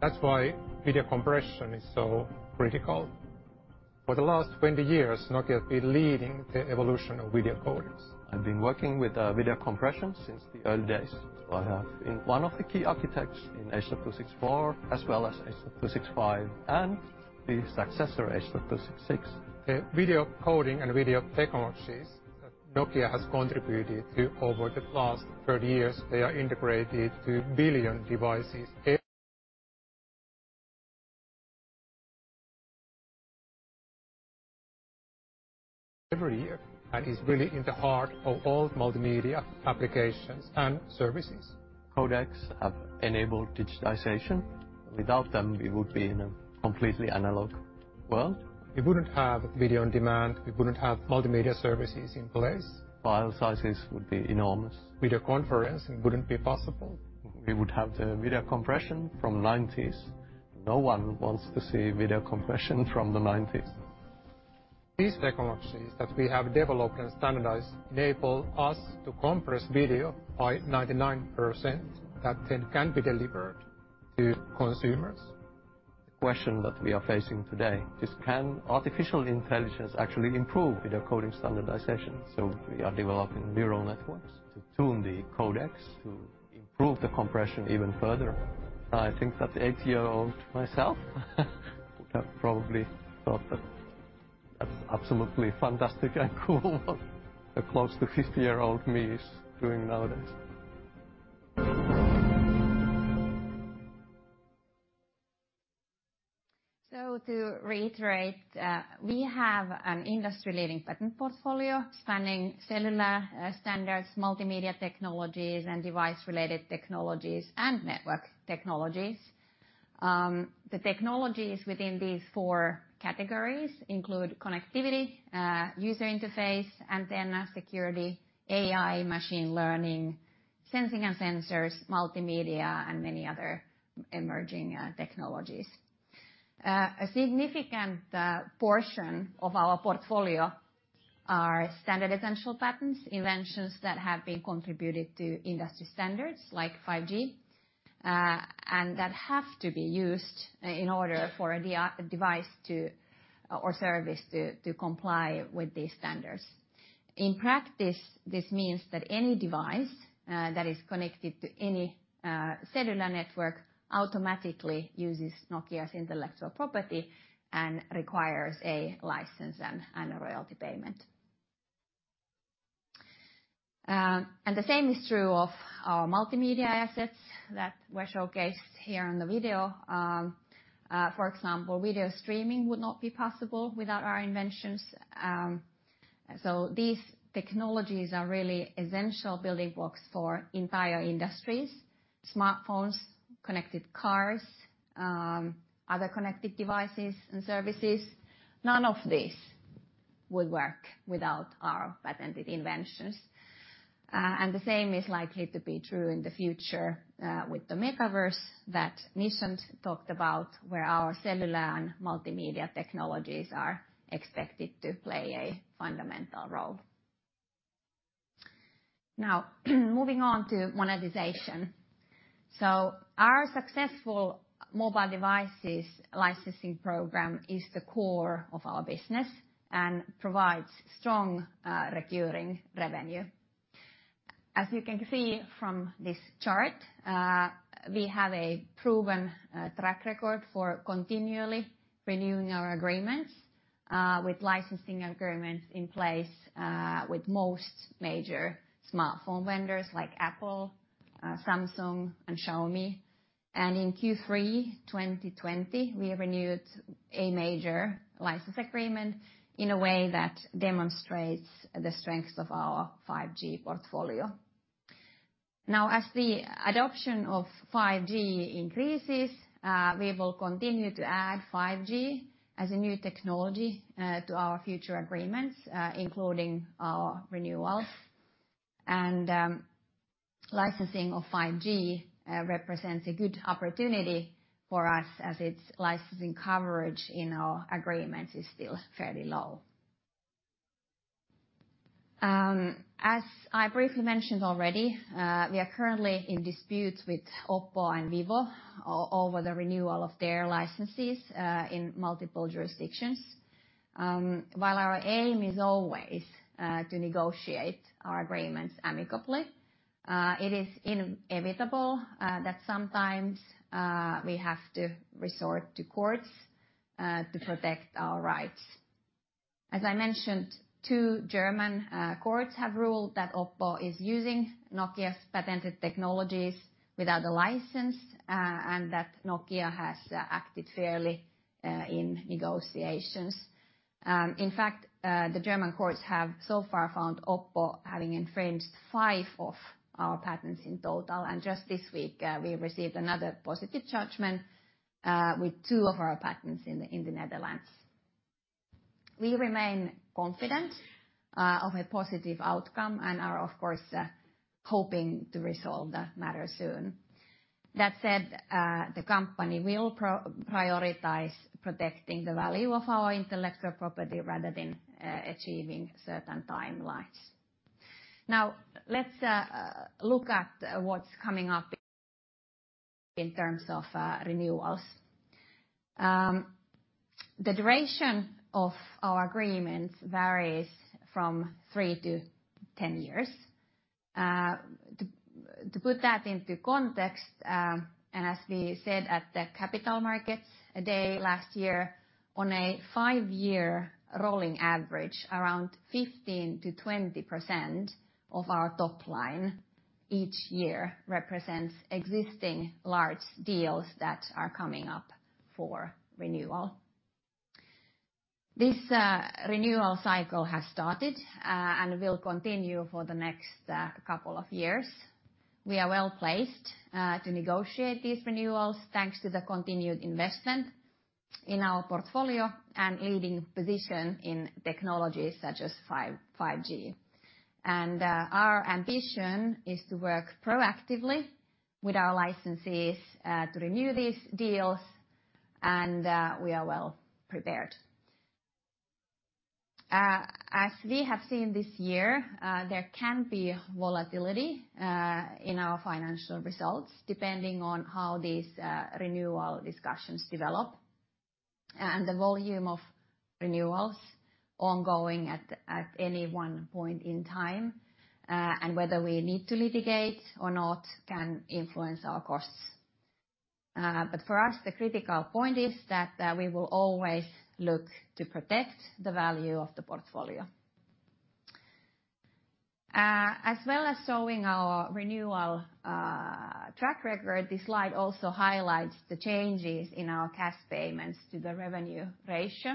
That's why video compression is so critical. For the last 20 years, Nokia has been leading the evolution of video codecs. I've been working with video compression since the early days. I have been one of the key architects in H.264 as well as H.265 and the successor, H.266. The video coding and video technologies that Nokia has contributed to over the last 30 years, they are integrated into a billion devices every year and are really in the heart of all multimedia applications and services. Codecs have enabled digitization. Without them, we would be in a completely analog world. We wouldn't have video on demand. We wouldn't have multimedia services in place. File sizes would be enormous. Video conferencing wouldn't be possible. We would have the video compression from the 1990s. No one wants to see video compression from the 1990s. These technologies that we have developed and standardized enable us to compress video by 99% that then can be delivered to consumers. The question that we are facing today is can artificial intelligence actually improve video coding standardization? We are developing neural networks to tune the codecs to improve the compression even further. I think that eight-year-old myself would have probably thought that that's absolutely fantastic and cool what a close to 50-year-old me is doing nowadays. To reiterate, we have an industry-leading patent portfolio spanning cellular standards, multimedia technologies, and device-related technologies, and network technologies. The technologies within these four categories include connectivity, user interface, antenna security, AI, machine learning, sensing and sensors, multimedia, and many other emerging technologies. A significant portion of our portfolio are standard essential patents, inventions that have been contributed to industry standards like 5G, and that have to be used in order for a device or service to comply with these standards. In practice, this means that any device that is connected to any cellular network automatically uses Nokia's intellectual property and requires a license and a royalty payment. The same is true of our multimedia assets that were showcased here in the video. For example, video streaming would not be possible without our inventions. These technologies are really essential building blocks for entire industries, smartphones, connected cars, other connected devices and services. None of this would work without our patented inventions. The same is likely to be true in the future, with the metaverse that Nishant talked about, where our cellular and multimedia technologies are expected to play a fundamental role. Now moving on to monetization. Our successful mobile devices licensing program is the core of our business and provides strong, recurring revenue. As you can see from this chart, we have a proven, track record for continually renewing our agreements, with licensing agreements in place, with most major smartphone vendors like Apple, Samsung, and Xiaomi. In Q3 2020, we renewed a major license agreement in a way that demonstrates the strength of our 5G portfolio. Now, as the adoption of 5G increases, we will continue to add 5G as a new technology to our future agreements, including our renewals. Licensing of 5G represents a good opportunity for us as its licensing coverage in our agreements is still fairly low. As I briefly mentioned already, we are currently in dispute with OPPO and vivo over the renewal of their licenses in multiple jurisdictions. While our aim is always to negotiate our agreements amicably, it is inevitable that sometimes we have to resort to courts to protect our rights. As I mentioned, two German courts have ruled that OPPO is using Nokia's patented technologies without a license, and that Nokia has acted fairly in negotiations. In fact, the German courts have so far found OPPO having infringed five of our patents in total. Just this week, we received another positive judgment with two of our patents in the Netherlands. We remain confident of a positive outcome and are, of course, hoping to resolve the matter soon. That said, the company will prioritize protecting the value of our intellectual property rather than achieving certain timelines. Now, let's look at what's coming up in terms of renewals. The duration of our agreements varies from three to 10 years. To put that into context, and as we said at the Capital Markets Day last year, on a five-year rolling average, around 15%-20% of our top line each year represents existing large deals that are coming up for renewal. This renewal cycle has started and will continue for the next couple of years. We are well-placed to negotiate these renewals thanks to the continued investment in our portfolio and leading position in technologies such as 5G. Our ambition is to work proactively with our licensees to renew these deals, and we are well prepared. As we have seen this year, there can be volatility in our financial results depending on how these renewal discussions develop and the volume of renewals ongoing at any one point in time, and whether we need to litigate or not can influence our costs. For us, the critical point is that we will always look to protect the value of the portfolio. As well as showing our renewal track record, this slide also highlights the changes in our cash payments to the revenue ratio,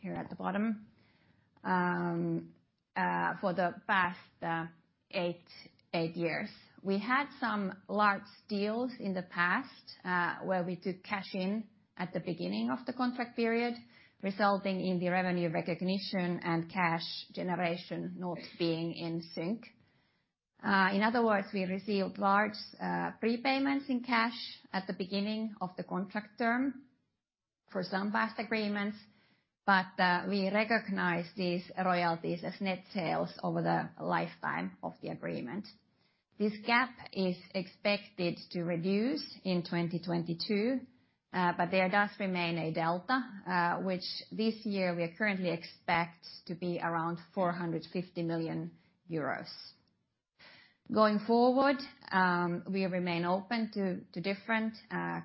here at the bottom, for the past eight years. We had some large deals in the past, where we took cash in at the beginning of the contract period, resulting in the revenue recognition and cash generation not being in sync. In other words, we received large prepayments in cash at the beginning of the contract term for some past agreements, but we recognize these royalties as net sales over the lifetime of the agreement. This gap is expected to reduce in 2022, but there does remain a delta, which this year we currently expect to be around 450 million euros. Going forward, we remain open to different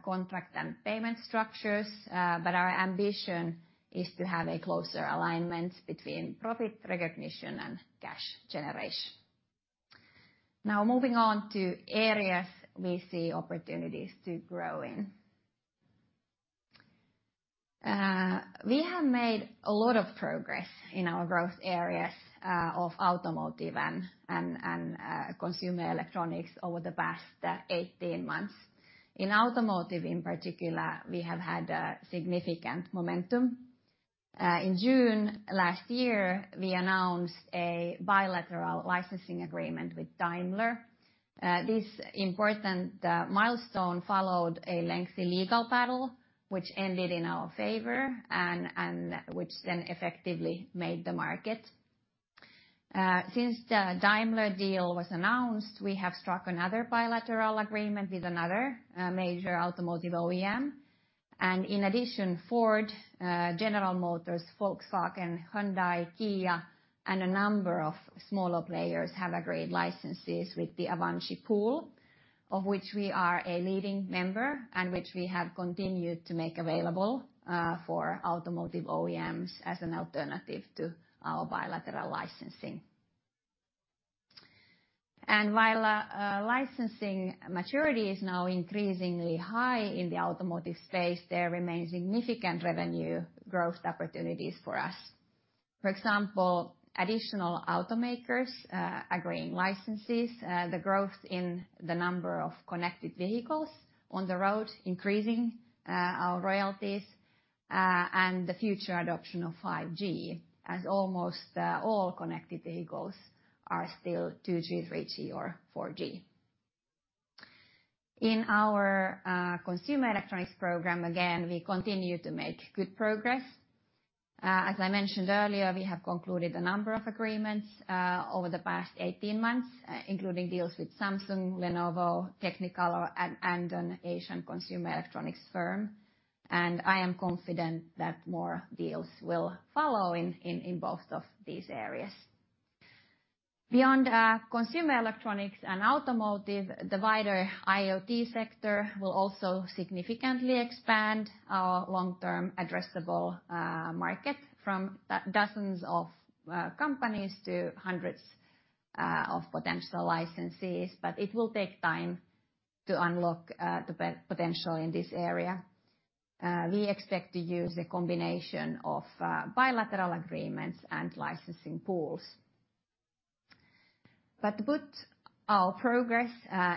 contract and payment structures, but our ambition is to have a closer alignment between profit recognition and cash generation. Now moving on to areas we see opportunities to grow in. We have made a lot of progress in our growth areas of automotive and consumer electronics over the past 18 months. In automotive in particular, we have had a significant momentum. In June last year, we announced a bilateral licensing agreement with Daimler. This important milestone followed a lengthy legal battle which ended in our favor and which then effectively made the market. Since the Daimler deal was announced, we have struck another bilateral agreement with another major automotive OEM. In addition, Ford, General Motors, Volkswagen, Hyundai, Kia, and a number of smaller players have agreed licenses with the Avanci pool, of which we are a leading member and which we have continued to make available for automotive OEMs as an alternative to our bilateral licensing. While licensing maturity is now increasingly high in the automotive space, there remains significant revenue growth opportunities for us. For example, additional automakers agreeing licenses, the growth in the number of connected vehicles on the road increasing our royalties, and the future adoption of 5G, as almost all connected vehicles are still 2G, 3G, or 4G. In our consumer electronics program, again, we continue to make good progress. As I mentioned earlier, we have concluded a number of agreements over the past 18 months, including deals with Samsung, Lenovo, Technicolor, and an Asian consumer electronics firm. I am confident that more deals will follow in both of these areas. Beyond consumer electronics and automotive, the wider IoT sector will also significantly expand our long-term addressable market from dozens of companies to hundreds of potential licensees, but it will take time to unlock the potential in this area. We expect to use a combination of bilateral agreements and licensing pools. To put our progress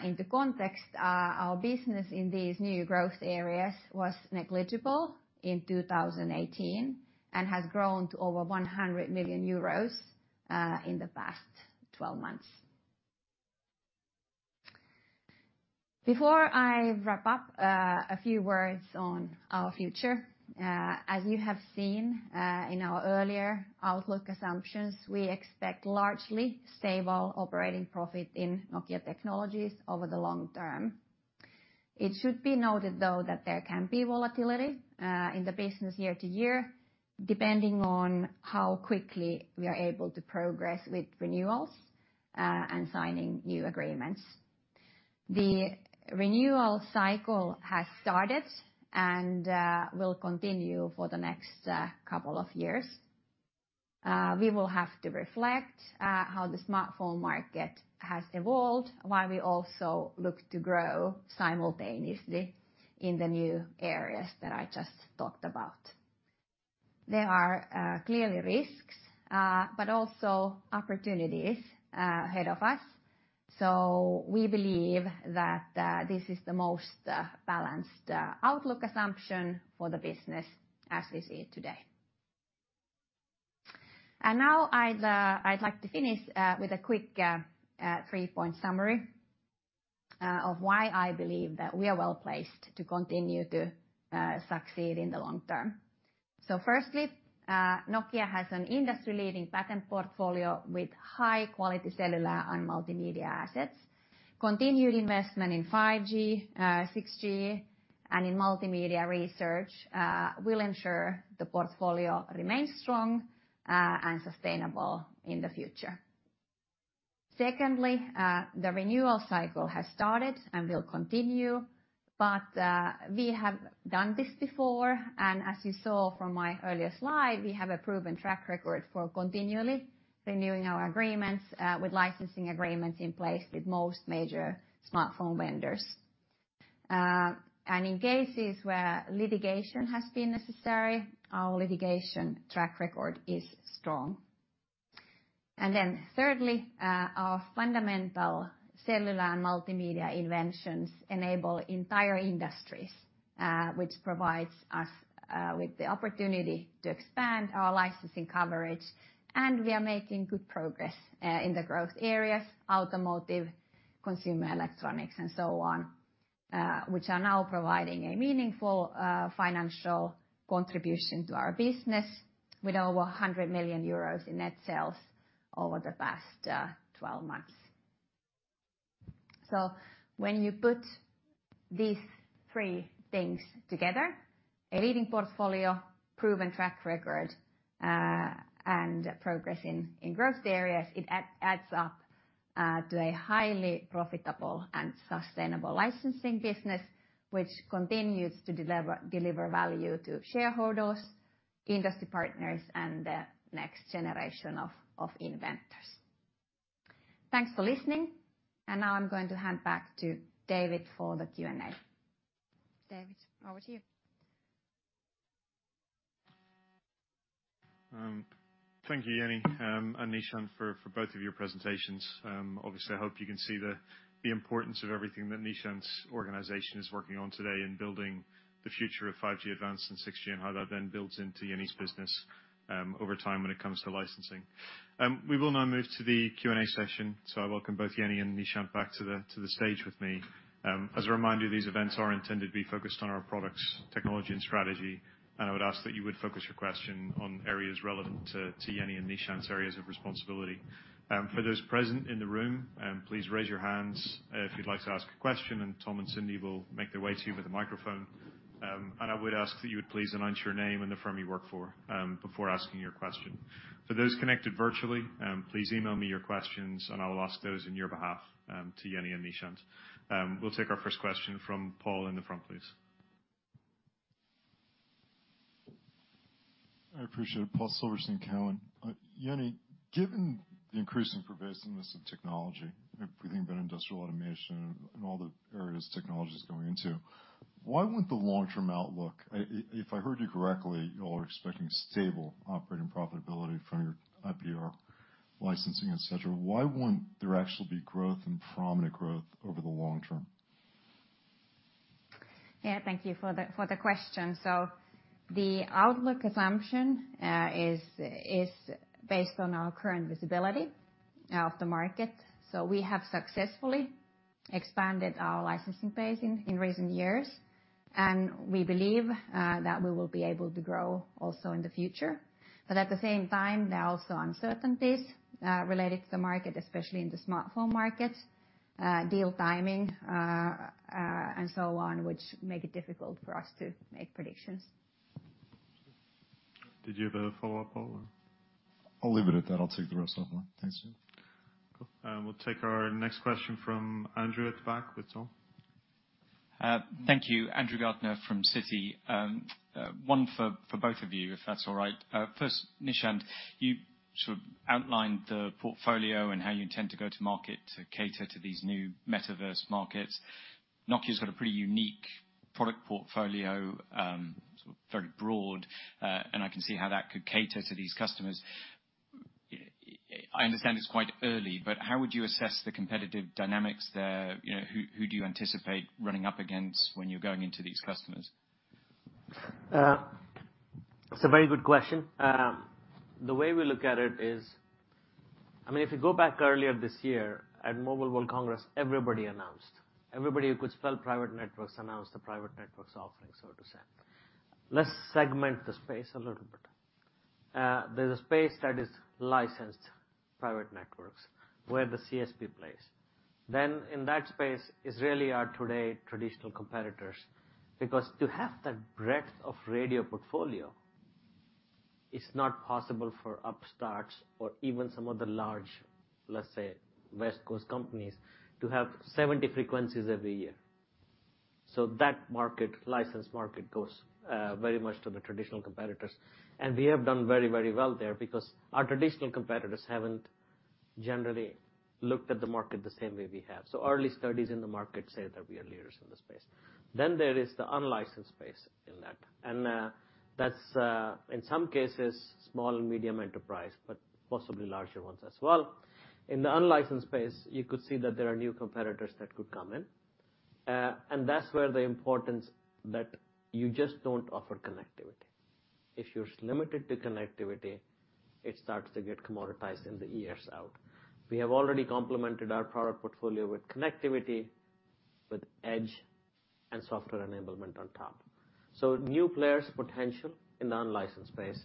into context, our business in these new growth areas was negligible in 2018, and has grown to over 100 million euros in the past 12 months. Before I wrap up, a few words on our future. As you have seen in our earlier outlook assumptions, we expect largely stable operating profit in Nokia Technologies over the long term. It should be noted, though, that there can be volatility in the business year to year depending on how quickly we are able to progress with renewals and signing new agreements. The renewal cycle has started and will continue for the next couple of years. We will have to reflect how the smartphone market has evolved, while we also look to grow simultaneously in the new areas that I just talked about. There are clearly risks, but also opportunities ahead of us. We believe that this is the most balanced outlook assumption for the business as we see it today. Now I'd like to finish with a quick three-point summary of why I believe that we are well-placed to continue to succeed in the long term. First, Nokia has an industry-leading patent portfolio with high-quality cellular and multimedia assets. Continued investment in 5G, 6G, and in multimedia research will ensure the portfolio remains strong and sustainable in the future. Secondly, the renewal cycle has started and will continue, but we have done this before, and as you saw from my earlier slide, we have a proven track record for continually renewing our agreements with licensing agreements in place with most major smartphone vendors. In cases where litigation has been necessary, our litigation track record is strong. Thirdly, our fundamental cellular and multimedia inventions enable entire industries, which provides us with the opportunity to expand our licensing coverage, and we are making good progress in the growth areas, automotive, consumer electronics, and so on, which are now providing a meaningful financial contribution to our business with over 100 million euros in net sales over the past 12 months. When you put these three things together, a leading portfolio, proven track record, and progress in growth areas, it adds up to a highly profitable and sustainable licensing business, which continues to deliver value to shareholders, industry partners, and the next generation of inventors. Thanks for listening. Now I'm going to hand back to David for the Q&A. David, over to you. Thank you, Jenni, and Nishant for both of your presentations. Obviously, I hope you can see the importance of everything that Nishant's organization is working on today in building the future of 5G-Advanced and 6G, and how that then builds into Jenni's business over time when it comes to licensing. We will now move to the Q&A session, so I welcome both Jenni and Nishant back to the stage with me. As a reminder, these events are intended to be focused on our products, technology, and strategy, and I would ask that you would focus your question on areas relevant to Jenni and Nishant's areas of responsibility. For those present in the room, please raise your hands if you'd like to ask a question, and Tom and Cindy will make their way to you with a microphone. I would ask that you would please announce your name and the firm you work for before asking your question. For those connected virtually, please email me your questions and I will ask those on your behalf to Jenni and Nishant. We'll take our first question from Paul in the front, please. I appreciate it. Paul Silverstein, Cowen. Jenni, given the increasing pervasiveness of technology, if we think about industrial automation and all the areas technology is going into, why wouldn't the long-term outlook. If I heard you correctly, you all are expecting stable operating profitability from your IPR licensing, et cetera. Why wouldn't there actually be growth and prominent growth over the long term? Yeah, thank you for the question. The outlook assumption is based on our current visibility of the market. We have successfully expanded our licensing base in recent years, and we believe that we will be able to grow also in the future. At the same time, there are also uncertainties related to the market, especially in the smartphone market, deal timing, and so on, which make it difficult for us to make predictions. Did you have a follow-up, Paul? I'll leave it at that. I'll take the rest offline. Thanks. Cool. We'll take our next question from Andrew at the back with Tom. Thank you. Andrew Gardiner from Citi. One for both of you, if that's all right. First Nishant, you sort of outlined the portfolio and how you intend to go to market to cater to these new metaverse markets. Nokia's got a pretty unique product portfolio, sort of very broad. I can see how that could cater to these customers. I understand it's quite early, but how would you assess the competitive dynamics there? You know, who do you anticipate running up against when you're going into these customers? It's a very good question. The way we look at it is, I mean, if you go back earlier this year at Mobile World Congress, everybody announced. Everybody who could spell private networks announced a private networks offering, so to say. Let's segment the space a little bit. There's a space that is licensed private networks where the CSP plays. Then in that space is really our today traditional competitors. Because to have that breadth of radio portfolio, it's not possible for upstarts or even some of the large, let's say, West Coast companies, to have 70 frequencies every year. So that market, licensed market, goes very much to the traditional competitors. We have done very, very well there because our traditional competitors haven't generally looked at the market the same way we have. Early studies in the market say that we are leaders in the space. There is the unlicensed space in that. That's in some cases small and medium enterprise, but possibly larger ones as well. In the unlicensed space, you could see that there are new competitors that could come in. That's where the importance that you just don't offer connectivity. If you're limited to connectivity, it starts to get commoditized in the years out. We have already complemented our product portfolio with connectivity, with Edge and software enablement on top. New players potential in the unlicensed space,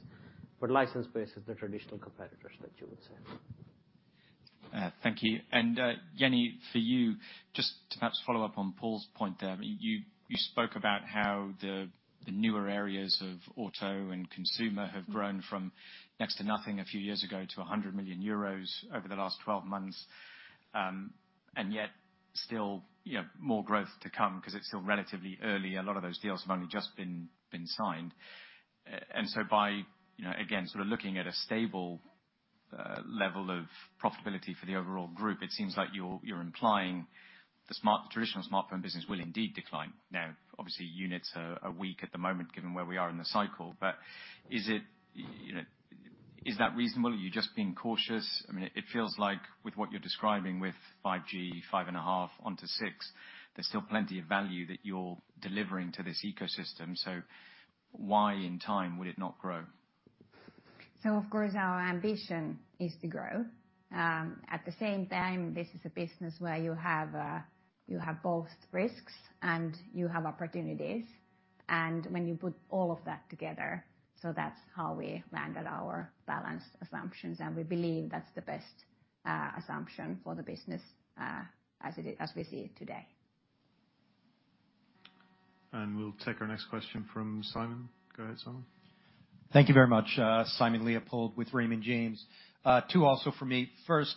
but licensed space is the traditional competitors that you would say. Thank you. Jenni, for you, just to perhaps follow up on Paul's point there. You spoke about how the newer areas of auto and consumer have grown from next to nothing a few years ago to 100 million euros over the last 12 months. Yet still, you know, more growth to come because it's still relatively early. A lot of those deals have only just been signed. By, you know, again, sort of looking at a stable level of profitability for the overall group, it seems like you're implying the traditional smartphone business will indeed decline. Now, obviously, units are weak at the moment, given where we are in the cycle. Is it, you know, is that reasonable? Are you just being cautious? I mean, it feels like with what you're describing with 5G, 5.5G onto 6G, there's still plenty of value that you're delivering to this ecosystem. Why in time would it not grow? Of course, our ambition is to grow. At the same time, this is a business where you have both risks and opportunities. When you put all of that together, that's how we landed our balanced assumptions. We believe that's the best assumption for the business, as it is, as we see it today. We'll take our next question from Simon. Go ahead, Simon. Thank you very much. Simon Leopold with Raymond James. Two also for me. First,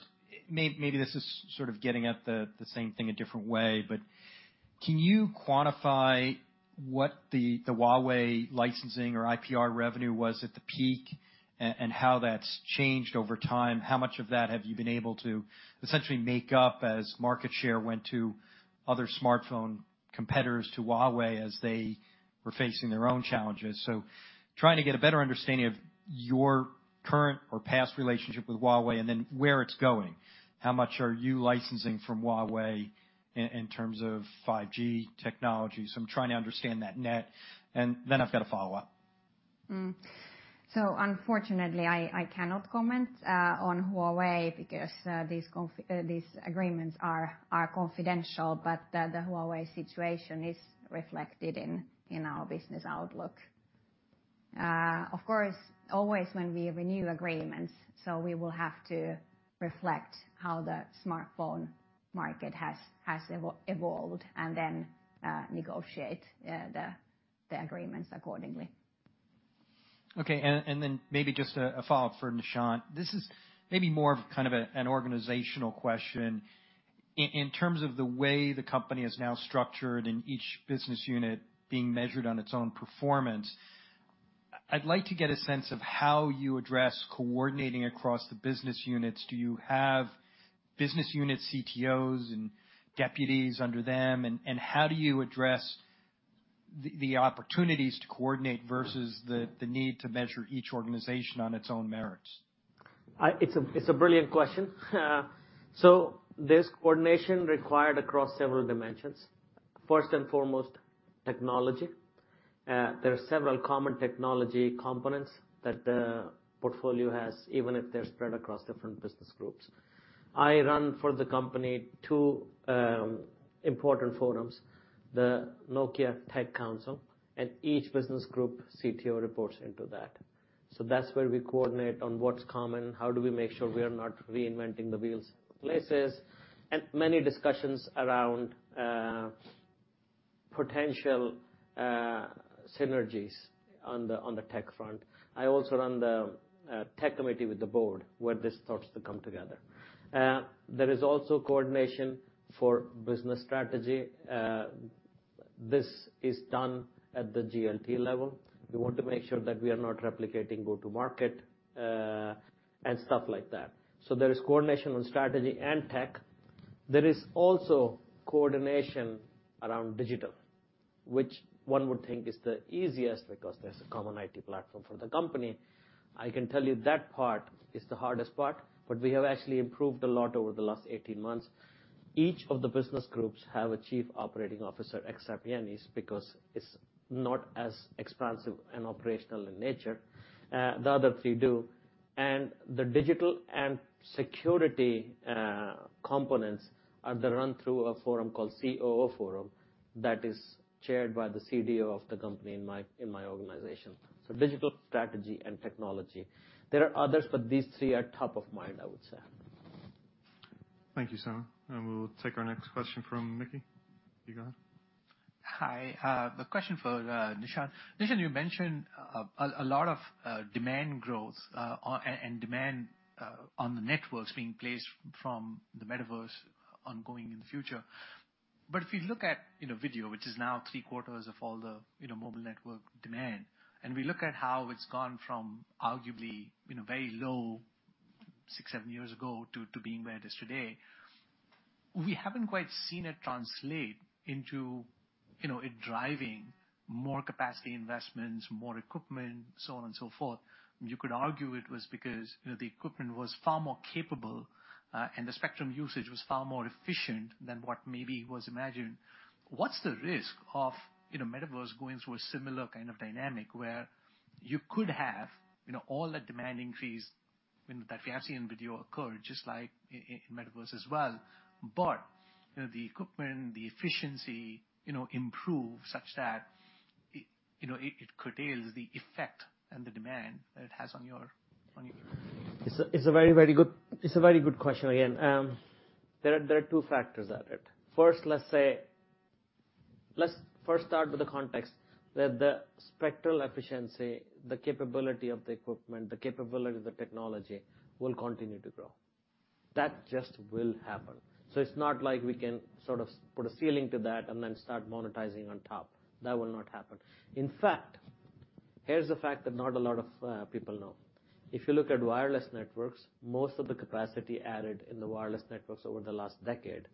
maybe this is sort of getting at the same thing a different way. But can you quantify what the Huawei licensing or IPR revenue was at the peak and how that's changed over time? How much of that have you been able to essentially make up as market share went to other smartphone competitors, to Huawei as they were facing their own challenges? Trying to get a better understanding of your current or past relationship with Huawei and then where it's going. How much are you licensing from Huawei in terms of 5G technology? I'm trying to understand that net. Then I've got a follow-up. Unfortunately, I cannot comment on Huawei because these agreements are confidential. The Huawei situation is reflected in our business outlook. Of course, always when we renew agreements, so we will have to reflect how the smartphone market has evolved and then negotiate the agreements accordingly. Okay. Then maybe just a follow-up for Nishant. This is maybe more of kind of an organizational question. In terms of the way the company is now structured and each business unit being measured on its own performance, I'd like to get a sense of how you address coordinating across the business units. Do you have business unit CTOs and deputies under them? And how do you address the opportunities to coordinate versus the need to measure each organization on its own merits? It's a brilliant question. There's coordination required across several dimensions. First and foremost, technology. There are several common technology components that the portfolio has, even if they're spread across different business groups. I run for the company two important forums, the Nokia Tech Council, and each business group CTO reports into that. That's where we coordinate on what's common, how do we make sure we are not reinventing the wheel in places. Many discussions around potential synergies on the tech front. I also run the tech committee with the board, where these thoughts come together. There is also coordination for business strategy. This is done at the GLT level. We want to make sure that we are not replicating go-to-market and stuff like that. There is coordination on strategy and tech. There is also coordination around digital, which one would think is the easiest because there's a common IT platform for the company. I can tell you that part is the hardest part, but we have actually improved a lot over the last 18 months. Each of the business groups have a chief operating officer, except ESNIs, because it's not as expansive and operational in nature. The other three do. The digital and security components are the run-through of forum called COO forum that is chaired by the CDO of the company in my organization. Digital strategy and technology. There are others, but these three are top of mind, I would say. Thank you, Simon. We'll take our next question from Mikhail. You go ahead. Hi. The question for Nishant. Nishant, you mentioned a lot of demand growth and demand on the networks being placed from the metaverse ongoing in the future. If you look at, you know, video, which is now three-quarters of all the, you know, mobile network demand, and we look at how it's gone from arguably, you know, very low six, seven years ago to being where it is today, we haven't quite seen it translate into, you know, it driving more capacity investments, more equipment, so on and so forth. You could argue it was because, you know, the equipment was far more capable, and the spectrum usage was far more efficient than what maybe was imagined. What's the risk of, you know, metaverse going through a similar kind of dynamic where you could have, you know, all the demand increase, you know, that we have seen in video occur just like in metaverse as well, but, you know, the equipment, the efficiency, you know, improve such that, you know, it curtails the effect and the demand that it has on your. It's a very good question again. There are two factors at it. Let's first start with the context that the spectral efficiency, the capability of the equipment, the capability of the technology will continue to grow. That just will happen. It's not like we can sort of put a ceiling to that and then start monetizing on top. That will not happen. In fact, here's the fact that not a lot of people know. If you look at wireless networks, most of the capacity added in the wireless networks over the last decade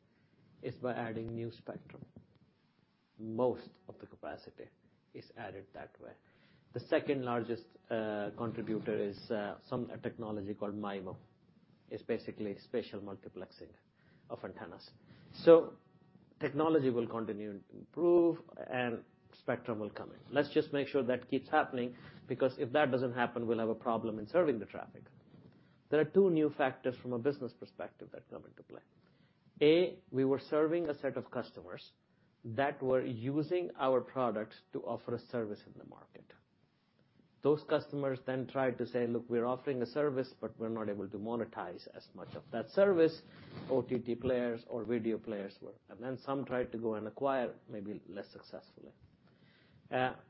is by adding new spectrum. Most of the capacity is added that way. The second largest contributor is some technology called MIMO. It's basically spatial multiplexing of antennas. Technology will continue to improve and spectrum will come in. Let's just make sure that keeps happening, because if that doesn't happen, we'll have a problem in serving the traffic. There are two new factors from a business perspective that come into play. A, we were serving a set of customers that were using our products to offer a service in the market. Those customers then tried to say, "Look, we're offering a service, but we're not able to monetize as much of that service." OTT players or video players were. And then some tried to go and acquire maybe less successfully.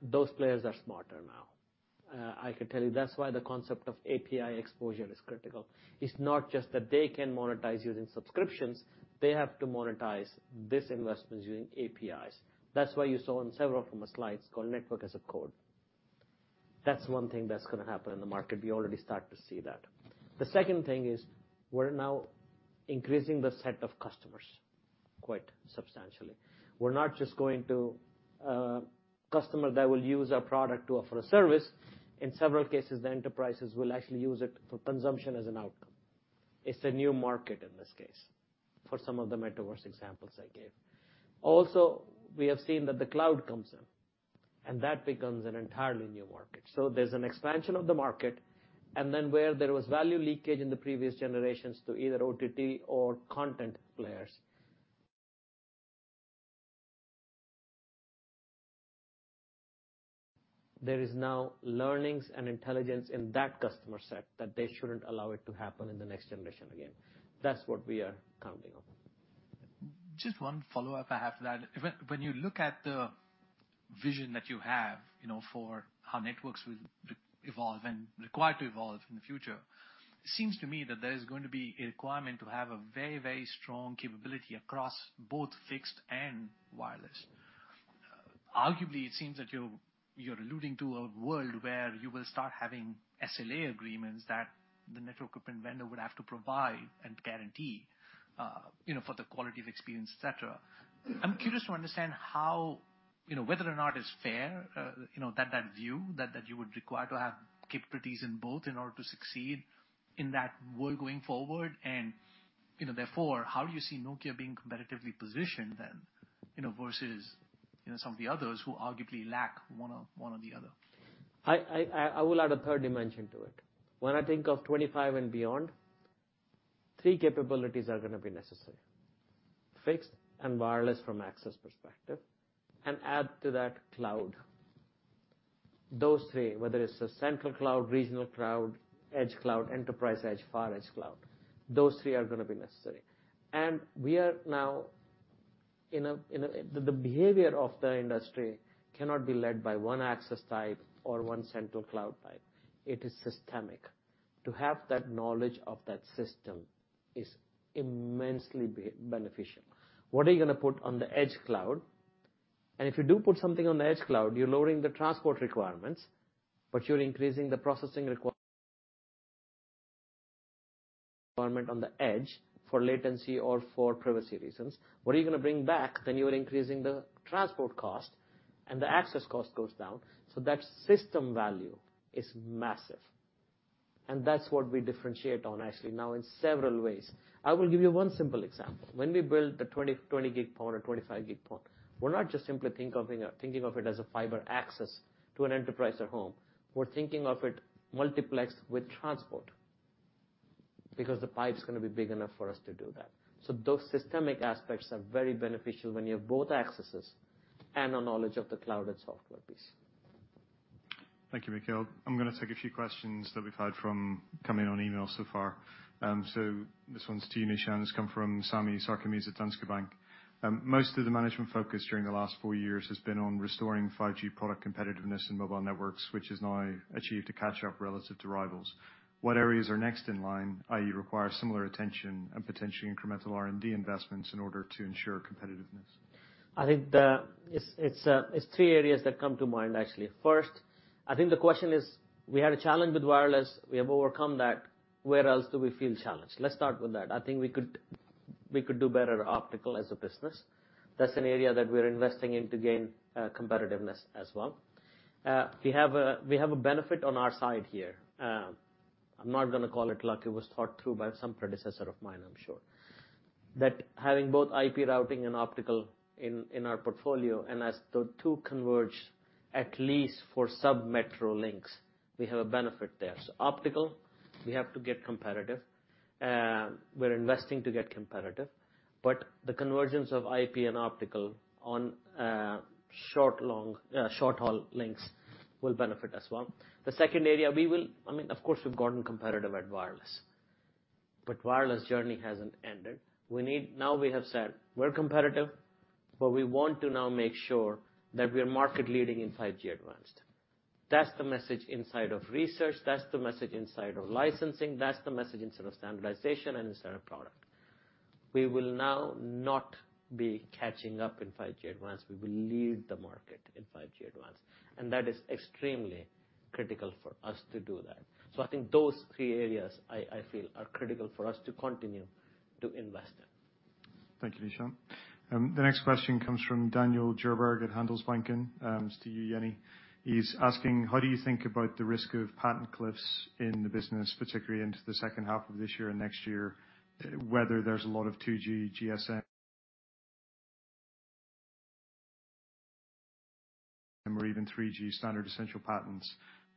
Those players are smarter now. I can tell you that's why the concept of API exposure is critical. It's not just that they can monetize using subscriptions, they have to monetize these investments using APIs. That's why you saw in several from the slides called Network as Code. That's one thing that's gonna happen in the market. We already start to see that. The second thing is, we're now increasing the set of customers quite substantially. We're not just going to a customer that will use our product to offer a service. In several cases, the enterprises will actually use it for consumption as an outcome. It's the new market in this case for some of the metaverse examples I gave. Also, we have seen that the cloud comes in, and that becomes an entirely new market. There's an expansion of the market, and then where there was value leakage in the previous generations to either OTT or content players, there is now learnings and intelligence in that customer set that they shouldn't allow it to happen in the next generation again. That's what we are counting on. Just one follow-up I have to that. When you look at the vision that you have, you know, for how networks will evolve and require to evolve in the future, it seems to me that there is going to be a requirement to have a very, very strong capability across both fixed and wireless. Arguably, it seems that you're alluding to a world where you will start having SLA agreements that the network equipment vendor would have to provide and guarantee, you know, for the quality of experience, et cetera. I'm curious to understand how, you know, whether or not it's fair, you know, that view that you would require to have capabilities in both in order to succeed in that world going forward. You know, therefore, how do you see Nokia being competitively positioned then, you know, versus, you know, some of the others who arguably lack one or the other? I will add a third dimension to it. When I think of 2025 and beyond, three capabilities are gonna be necessary, fixed and wireless from access perspective, and add to that cloud. Those three, whether it's the central cloud, regional cloud, edge cloud, enterprise edge, far edge cloud, those three are gonna be necessary. We are now in a. The behavior of the industry cannot be led by one access type or one central cloud type. It is systemic. To have that knowledge of that system is immensely beneficial. What are you gonna put on the edge cloud? If you do put something on the edge cloud, you're lowering the transport requirements, but you're increasing the processing requirement on the edge for latency or for privacy reasons. What are you gonna bring back? You're increasing the transport cost, and the access cost goes down. That system value is massive. That's what we differentiate on actually now in several ways. I will give you one simple example. When we build the 20 gig port or 25 gig port, we're not just simply thinking of it as a fiber access to an enterprise or home. We're thinking of it multiplex with transport. Because the pipe's gonna be big enough for us to do that. Those systemic aspects are very beneficial when you have both accesses and a knowledge of the cloud and software piece. Thank you, Mikhail. I'm gonna take a few questions that have come in on email so far. So this one's to you, Nishant. It's come from Sami Sarkamies at Danske Bank. Most of the management focus during the last four years has been on restoring 5G product competitiveness in mobile networks, which has now achieved to catch up relative to rivals. What areas are next in line, i.e., require similar attention and potentially incremental R&D investments in order to ensure competitiveness? I think it's three areas that come to mind, actually. First, I think the question is, we had a challenge with wireless. We have overcome that. Where else do we feel challenged? Let's start with that. I think we could do better optical as a business. That's an area that we're investing in to gain competitiveness as well. We have a benefit on our side here. I'm not gonna call it luck. It was thought through by some predecessor of mine, I'm sure. That having both IP routing and optical in our portfolio, and as the two converge, at least for sub-metro links, we have a benefit there. Optical, we have to get competitive. We're investing to get competitive, but the convergence of IP and optical on short-haul links will benefit as well. The second area, I mean, of course, we've gotten competitive at wireless. Wireless journey hasn't ended. Now we have said we're competitive, but we want to now make sure that we are market leading in 5G-Advanced. That's the message inside of research. That's the message inside of licensing. That's the message inside of standardization and inside of product. We will now not be catching up in 5G-Advanced. We will lead the market in 5G-Advanced, and that is extremely critical for us to do that. I think those three areas I feel are critical for us to continue to invest in. Thank you, Nishant. The next question comes from Daniel Djurberg at Handelsbanken. It's to you, Jenni. He's asking: How do you think about the risk of patent cliffs in the business, particularly into the second half of this year and next year? Whether there's a lot of 2G, GSM or even 3G standard essential patents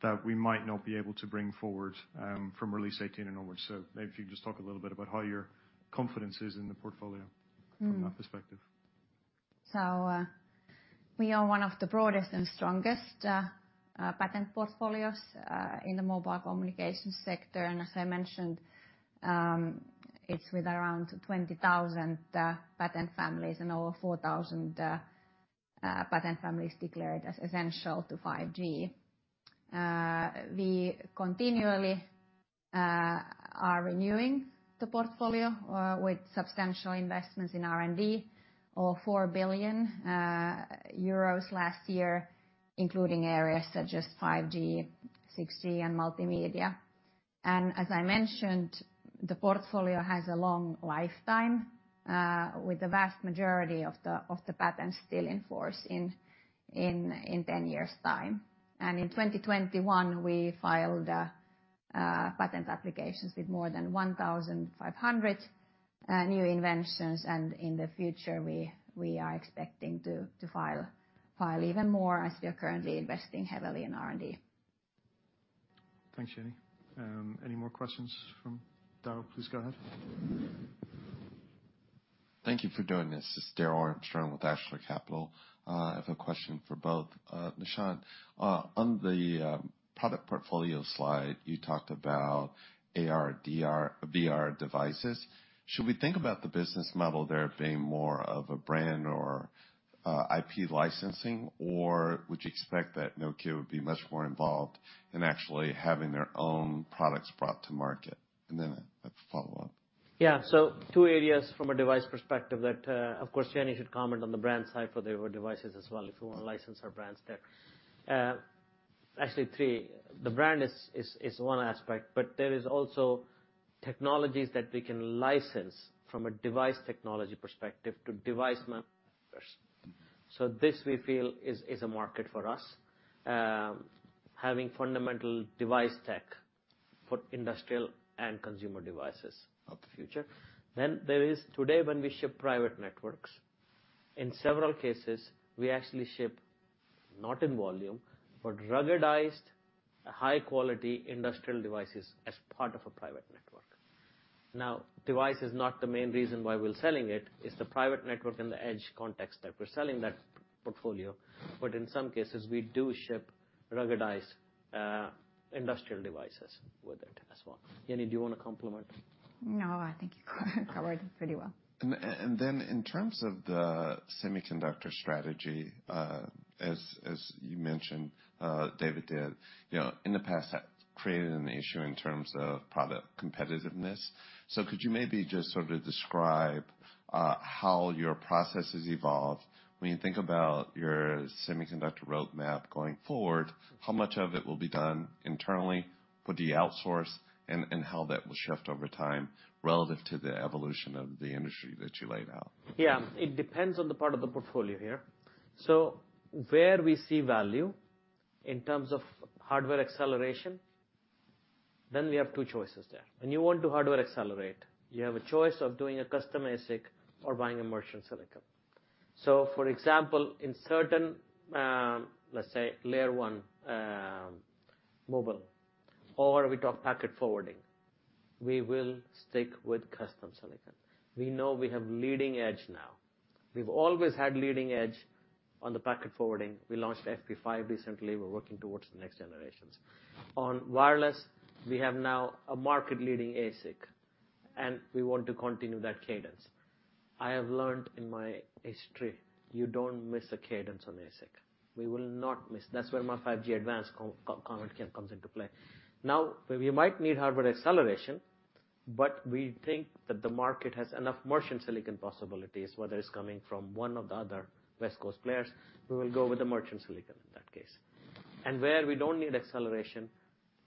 that we might not be able to bring forward, from Release 18 and onwards. Maybe if you could just talk a little bit about how your confidence is in the portfolio from that perspective. We are one of the broadest and strongest patent portfolios in the mobile communications sector. As I mentioned, it's with around 20,000 patent families and over 4,000 patent families declared as essential to 5G. We continually are renewing the portfolio with substantial investments in R&D of 4 billion euros last year, including areas such as 5G, 6G, and multimedia. As I mentioned, the portfolio has a long lifetime with the vast majority of the patents still in force in 10 years' time. In 2021, we filed patent applications with more than 1,500 new inventions. In the future, we are expecting to file even more as we are currently investing heavily in R&D. Thanks, Jenni. Any more questions from Daryl? Please go ahead. Thank you for doing this. This is Daryl Armstrong with Ashler Capital. I have a question for both. Nishant, on the product portfolio slide, you talked about AR/VR devices. Should we think about the business model there being more of a brand or IP licensing, or would you expect that Nokia would be much more involved in actually having their own products brought to market? I have a follow-up. Yeah. Two areas from a device perspective that, of course, Jenni should comment on the brand side for the other devices as well, if you wanna license our brands there. Actually three. The brand is one aspect, but there is also technologies that we can license from a device technology perspective to device manufacturers. This we feel is a market for us, having fundamental device tech for industrial and consumer devices of the future. There is today, when we ship private networks, in several cases, we actually ship, not in volume, but ruggedized high quality industrial devices as part of a private network. Now device is not the main reason why we're selling it's the private network and the edge context that we're selling that portfolio. But in some cases, we do ship ruggedized, industrial devices with it as well. Jenni, do you wanna comment? No, I think you covered it pretty well. In terms of the semiconductor strategy, as you mentioned, David did, you know, in the past that created an issue in terms of product competitiveness. Could you maybe just sort of describe how your process has evolved when you think about your semiconductor roadmap going forward, how much of it will be done internally, would you outsource, and how that will shift over time relative to the evolution of the industry that you laid out? Yeah. It depends on the part of the portfolio here. Where we see value in terms of hardware acceleration, then we have two choices there. When you want to hardware accelerate, you have a choice of doing a custom ASIC or buying a merchant silicon. For example, in certain, let's say layer one, mobile or with our packet forwarding. We will stick with custom silicon. We know we have leading edge now. We've always had leading edge on the packet forwarding. We launched FP5 recently. We're working towards the next generations. On wireless, we have now a market-leading ASIC, and we want to continue that cadence. I have learned in my history, you don't miss a cadence on ASIC. We will not miss. That's where my 5G-Advanced comment comes into play. Now, we might need hardware acceleration, but we think that the market has enough merchant silicon possibilities, whether it's coming from one or the other West Coast players, we will go with the merchant silicon in that case. Where we don't need acceleration,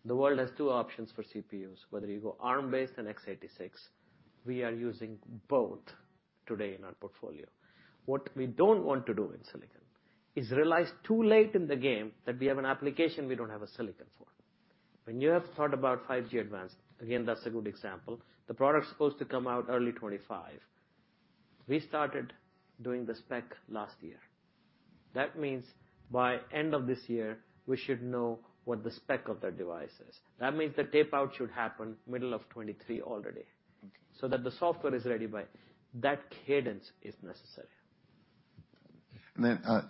the world has two options for CPUs, whether you go Arm-based and x86, we are using both today in our portfolio. What we don't want to do in silicon is realize too late in the game that we have an application we don't have a silicon for. When you have thought about 5G-Advanced, again, that's a good example. The product's supposed to come out early 2025. We started doing the spec last year. That means by end of this year, we should know what the spec of that device is. That means the tape-out should happen middle of 2023 already, so that the software is ready by. That cadence is necessary.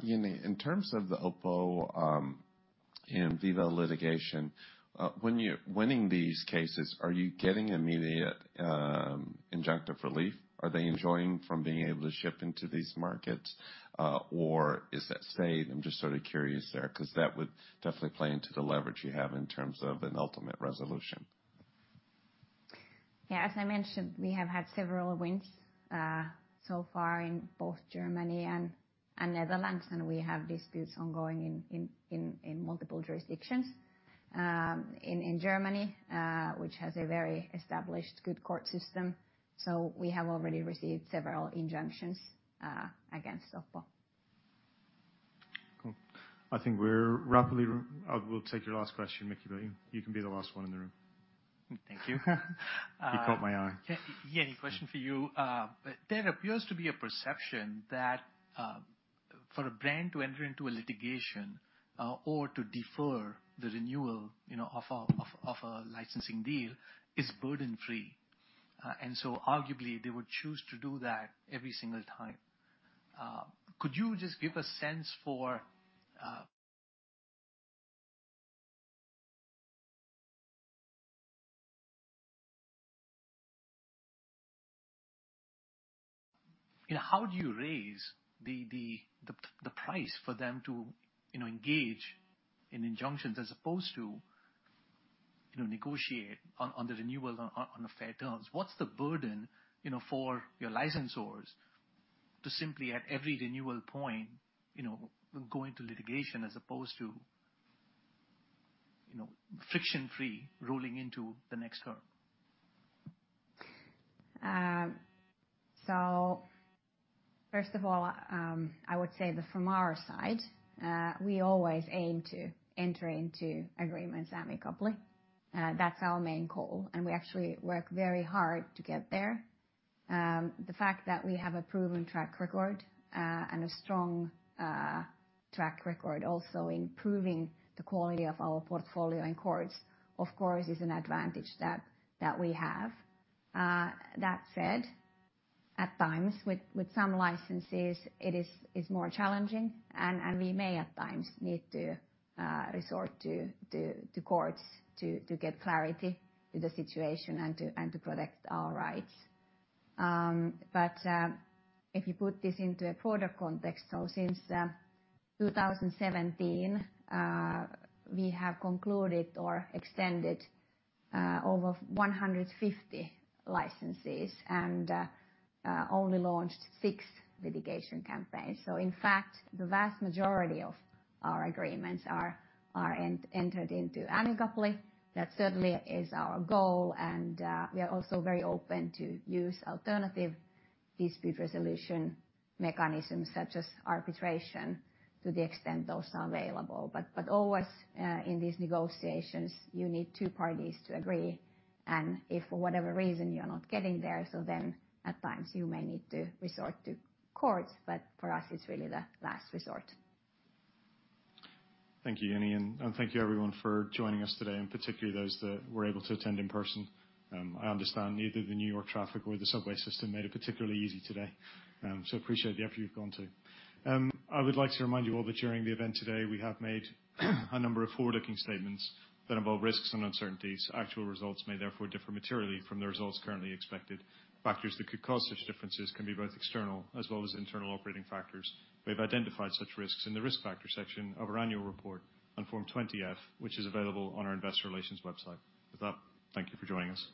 Jenni, in terms of the OPPO and vivo litigation, when you're winning these cases, are you getting immediate injunctive relief? Are they enjoined from being able to ship into these markets, or is that stayed? I'm just sort of curious there, 'cause that would definitely play into the leverage you have in terms of an ultimate resolution. Yeah. As I mentioned, we have had several wins so far in both Germany and Netherlands, and we have disputes ongoing in multiple jurisdictions. In Germany, which has a very established good court system, so we have already received several injunctions against OPPO. Cool. I will take your last question, Mikhail, but you can be the last one in the room. Thank you. You caught my eye. Yeah, Jenni, question for you. There appears to be a perception that, for a brand to enter into a litigation, or to defer the renewal, you know, of a licensing deal is burden-free. Arguably, they would choose to do that every single time. Could you just give a sense for... You know, how do you raise the price for them to, you know, engage in injunctions as opposed to, you know, negotiate on the renewal on fair terms? What's the burden, you know, for your licensors to simply at every renewal point, you know, go into litigation as opposed to, you know, friction-free rolling into the next term? First of all, I would say that from our side, we always aim to enter into agreements amicably. That's our main goal, and we actually work very hard to get there. The fact that we have a proven track record and a strong track record also in proving the quality of our portfolio in courts, of course, is an advantage that we have. That said, at times with some licenses, it is more challenging and we may at times need to resort to courts to get clarity to the situation and to protect our rights. If you put this into a broader context, since 2017, we have concluded or extended over 150 licenses and only launched six litigation campaigns. In fact, the vast majority of our agreements are entered into amicably. That certainly is our goal, and we are also very open to use alternative dispute resolution mechanisms such as arbitration to the extent those are available. Always, in these negotiations, you need two parties to agree. If for whatever reason you're not getting there, so then at times you may need to resort to courts, but for us, it's really the last resort. Thank you, Jenni, and thank you everyone for joining us today, and particularly those that were able to attend in person. I understand neither the New York traffic or the subway system made it particularly easy today, so appreciate the effort you've gone to. I would like to remind you all that during the event today, we have made a number of forward-looking statements that involve risks and uncertainties. Actual results may therefore differ materially from the results currently expected. Factors that could cause such differences can be both external as well as internal operating factors. We have identified such risks in the risk factor section of our annual report on Form 20-F, which is available on our investor relations website. With that, thank you for joining us.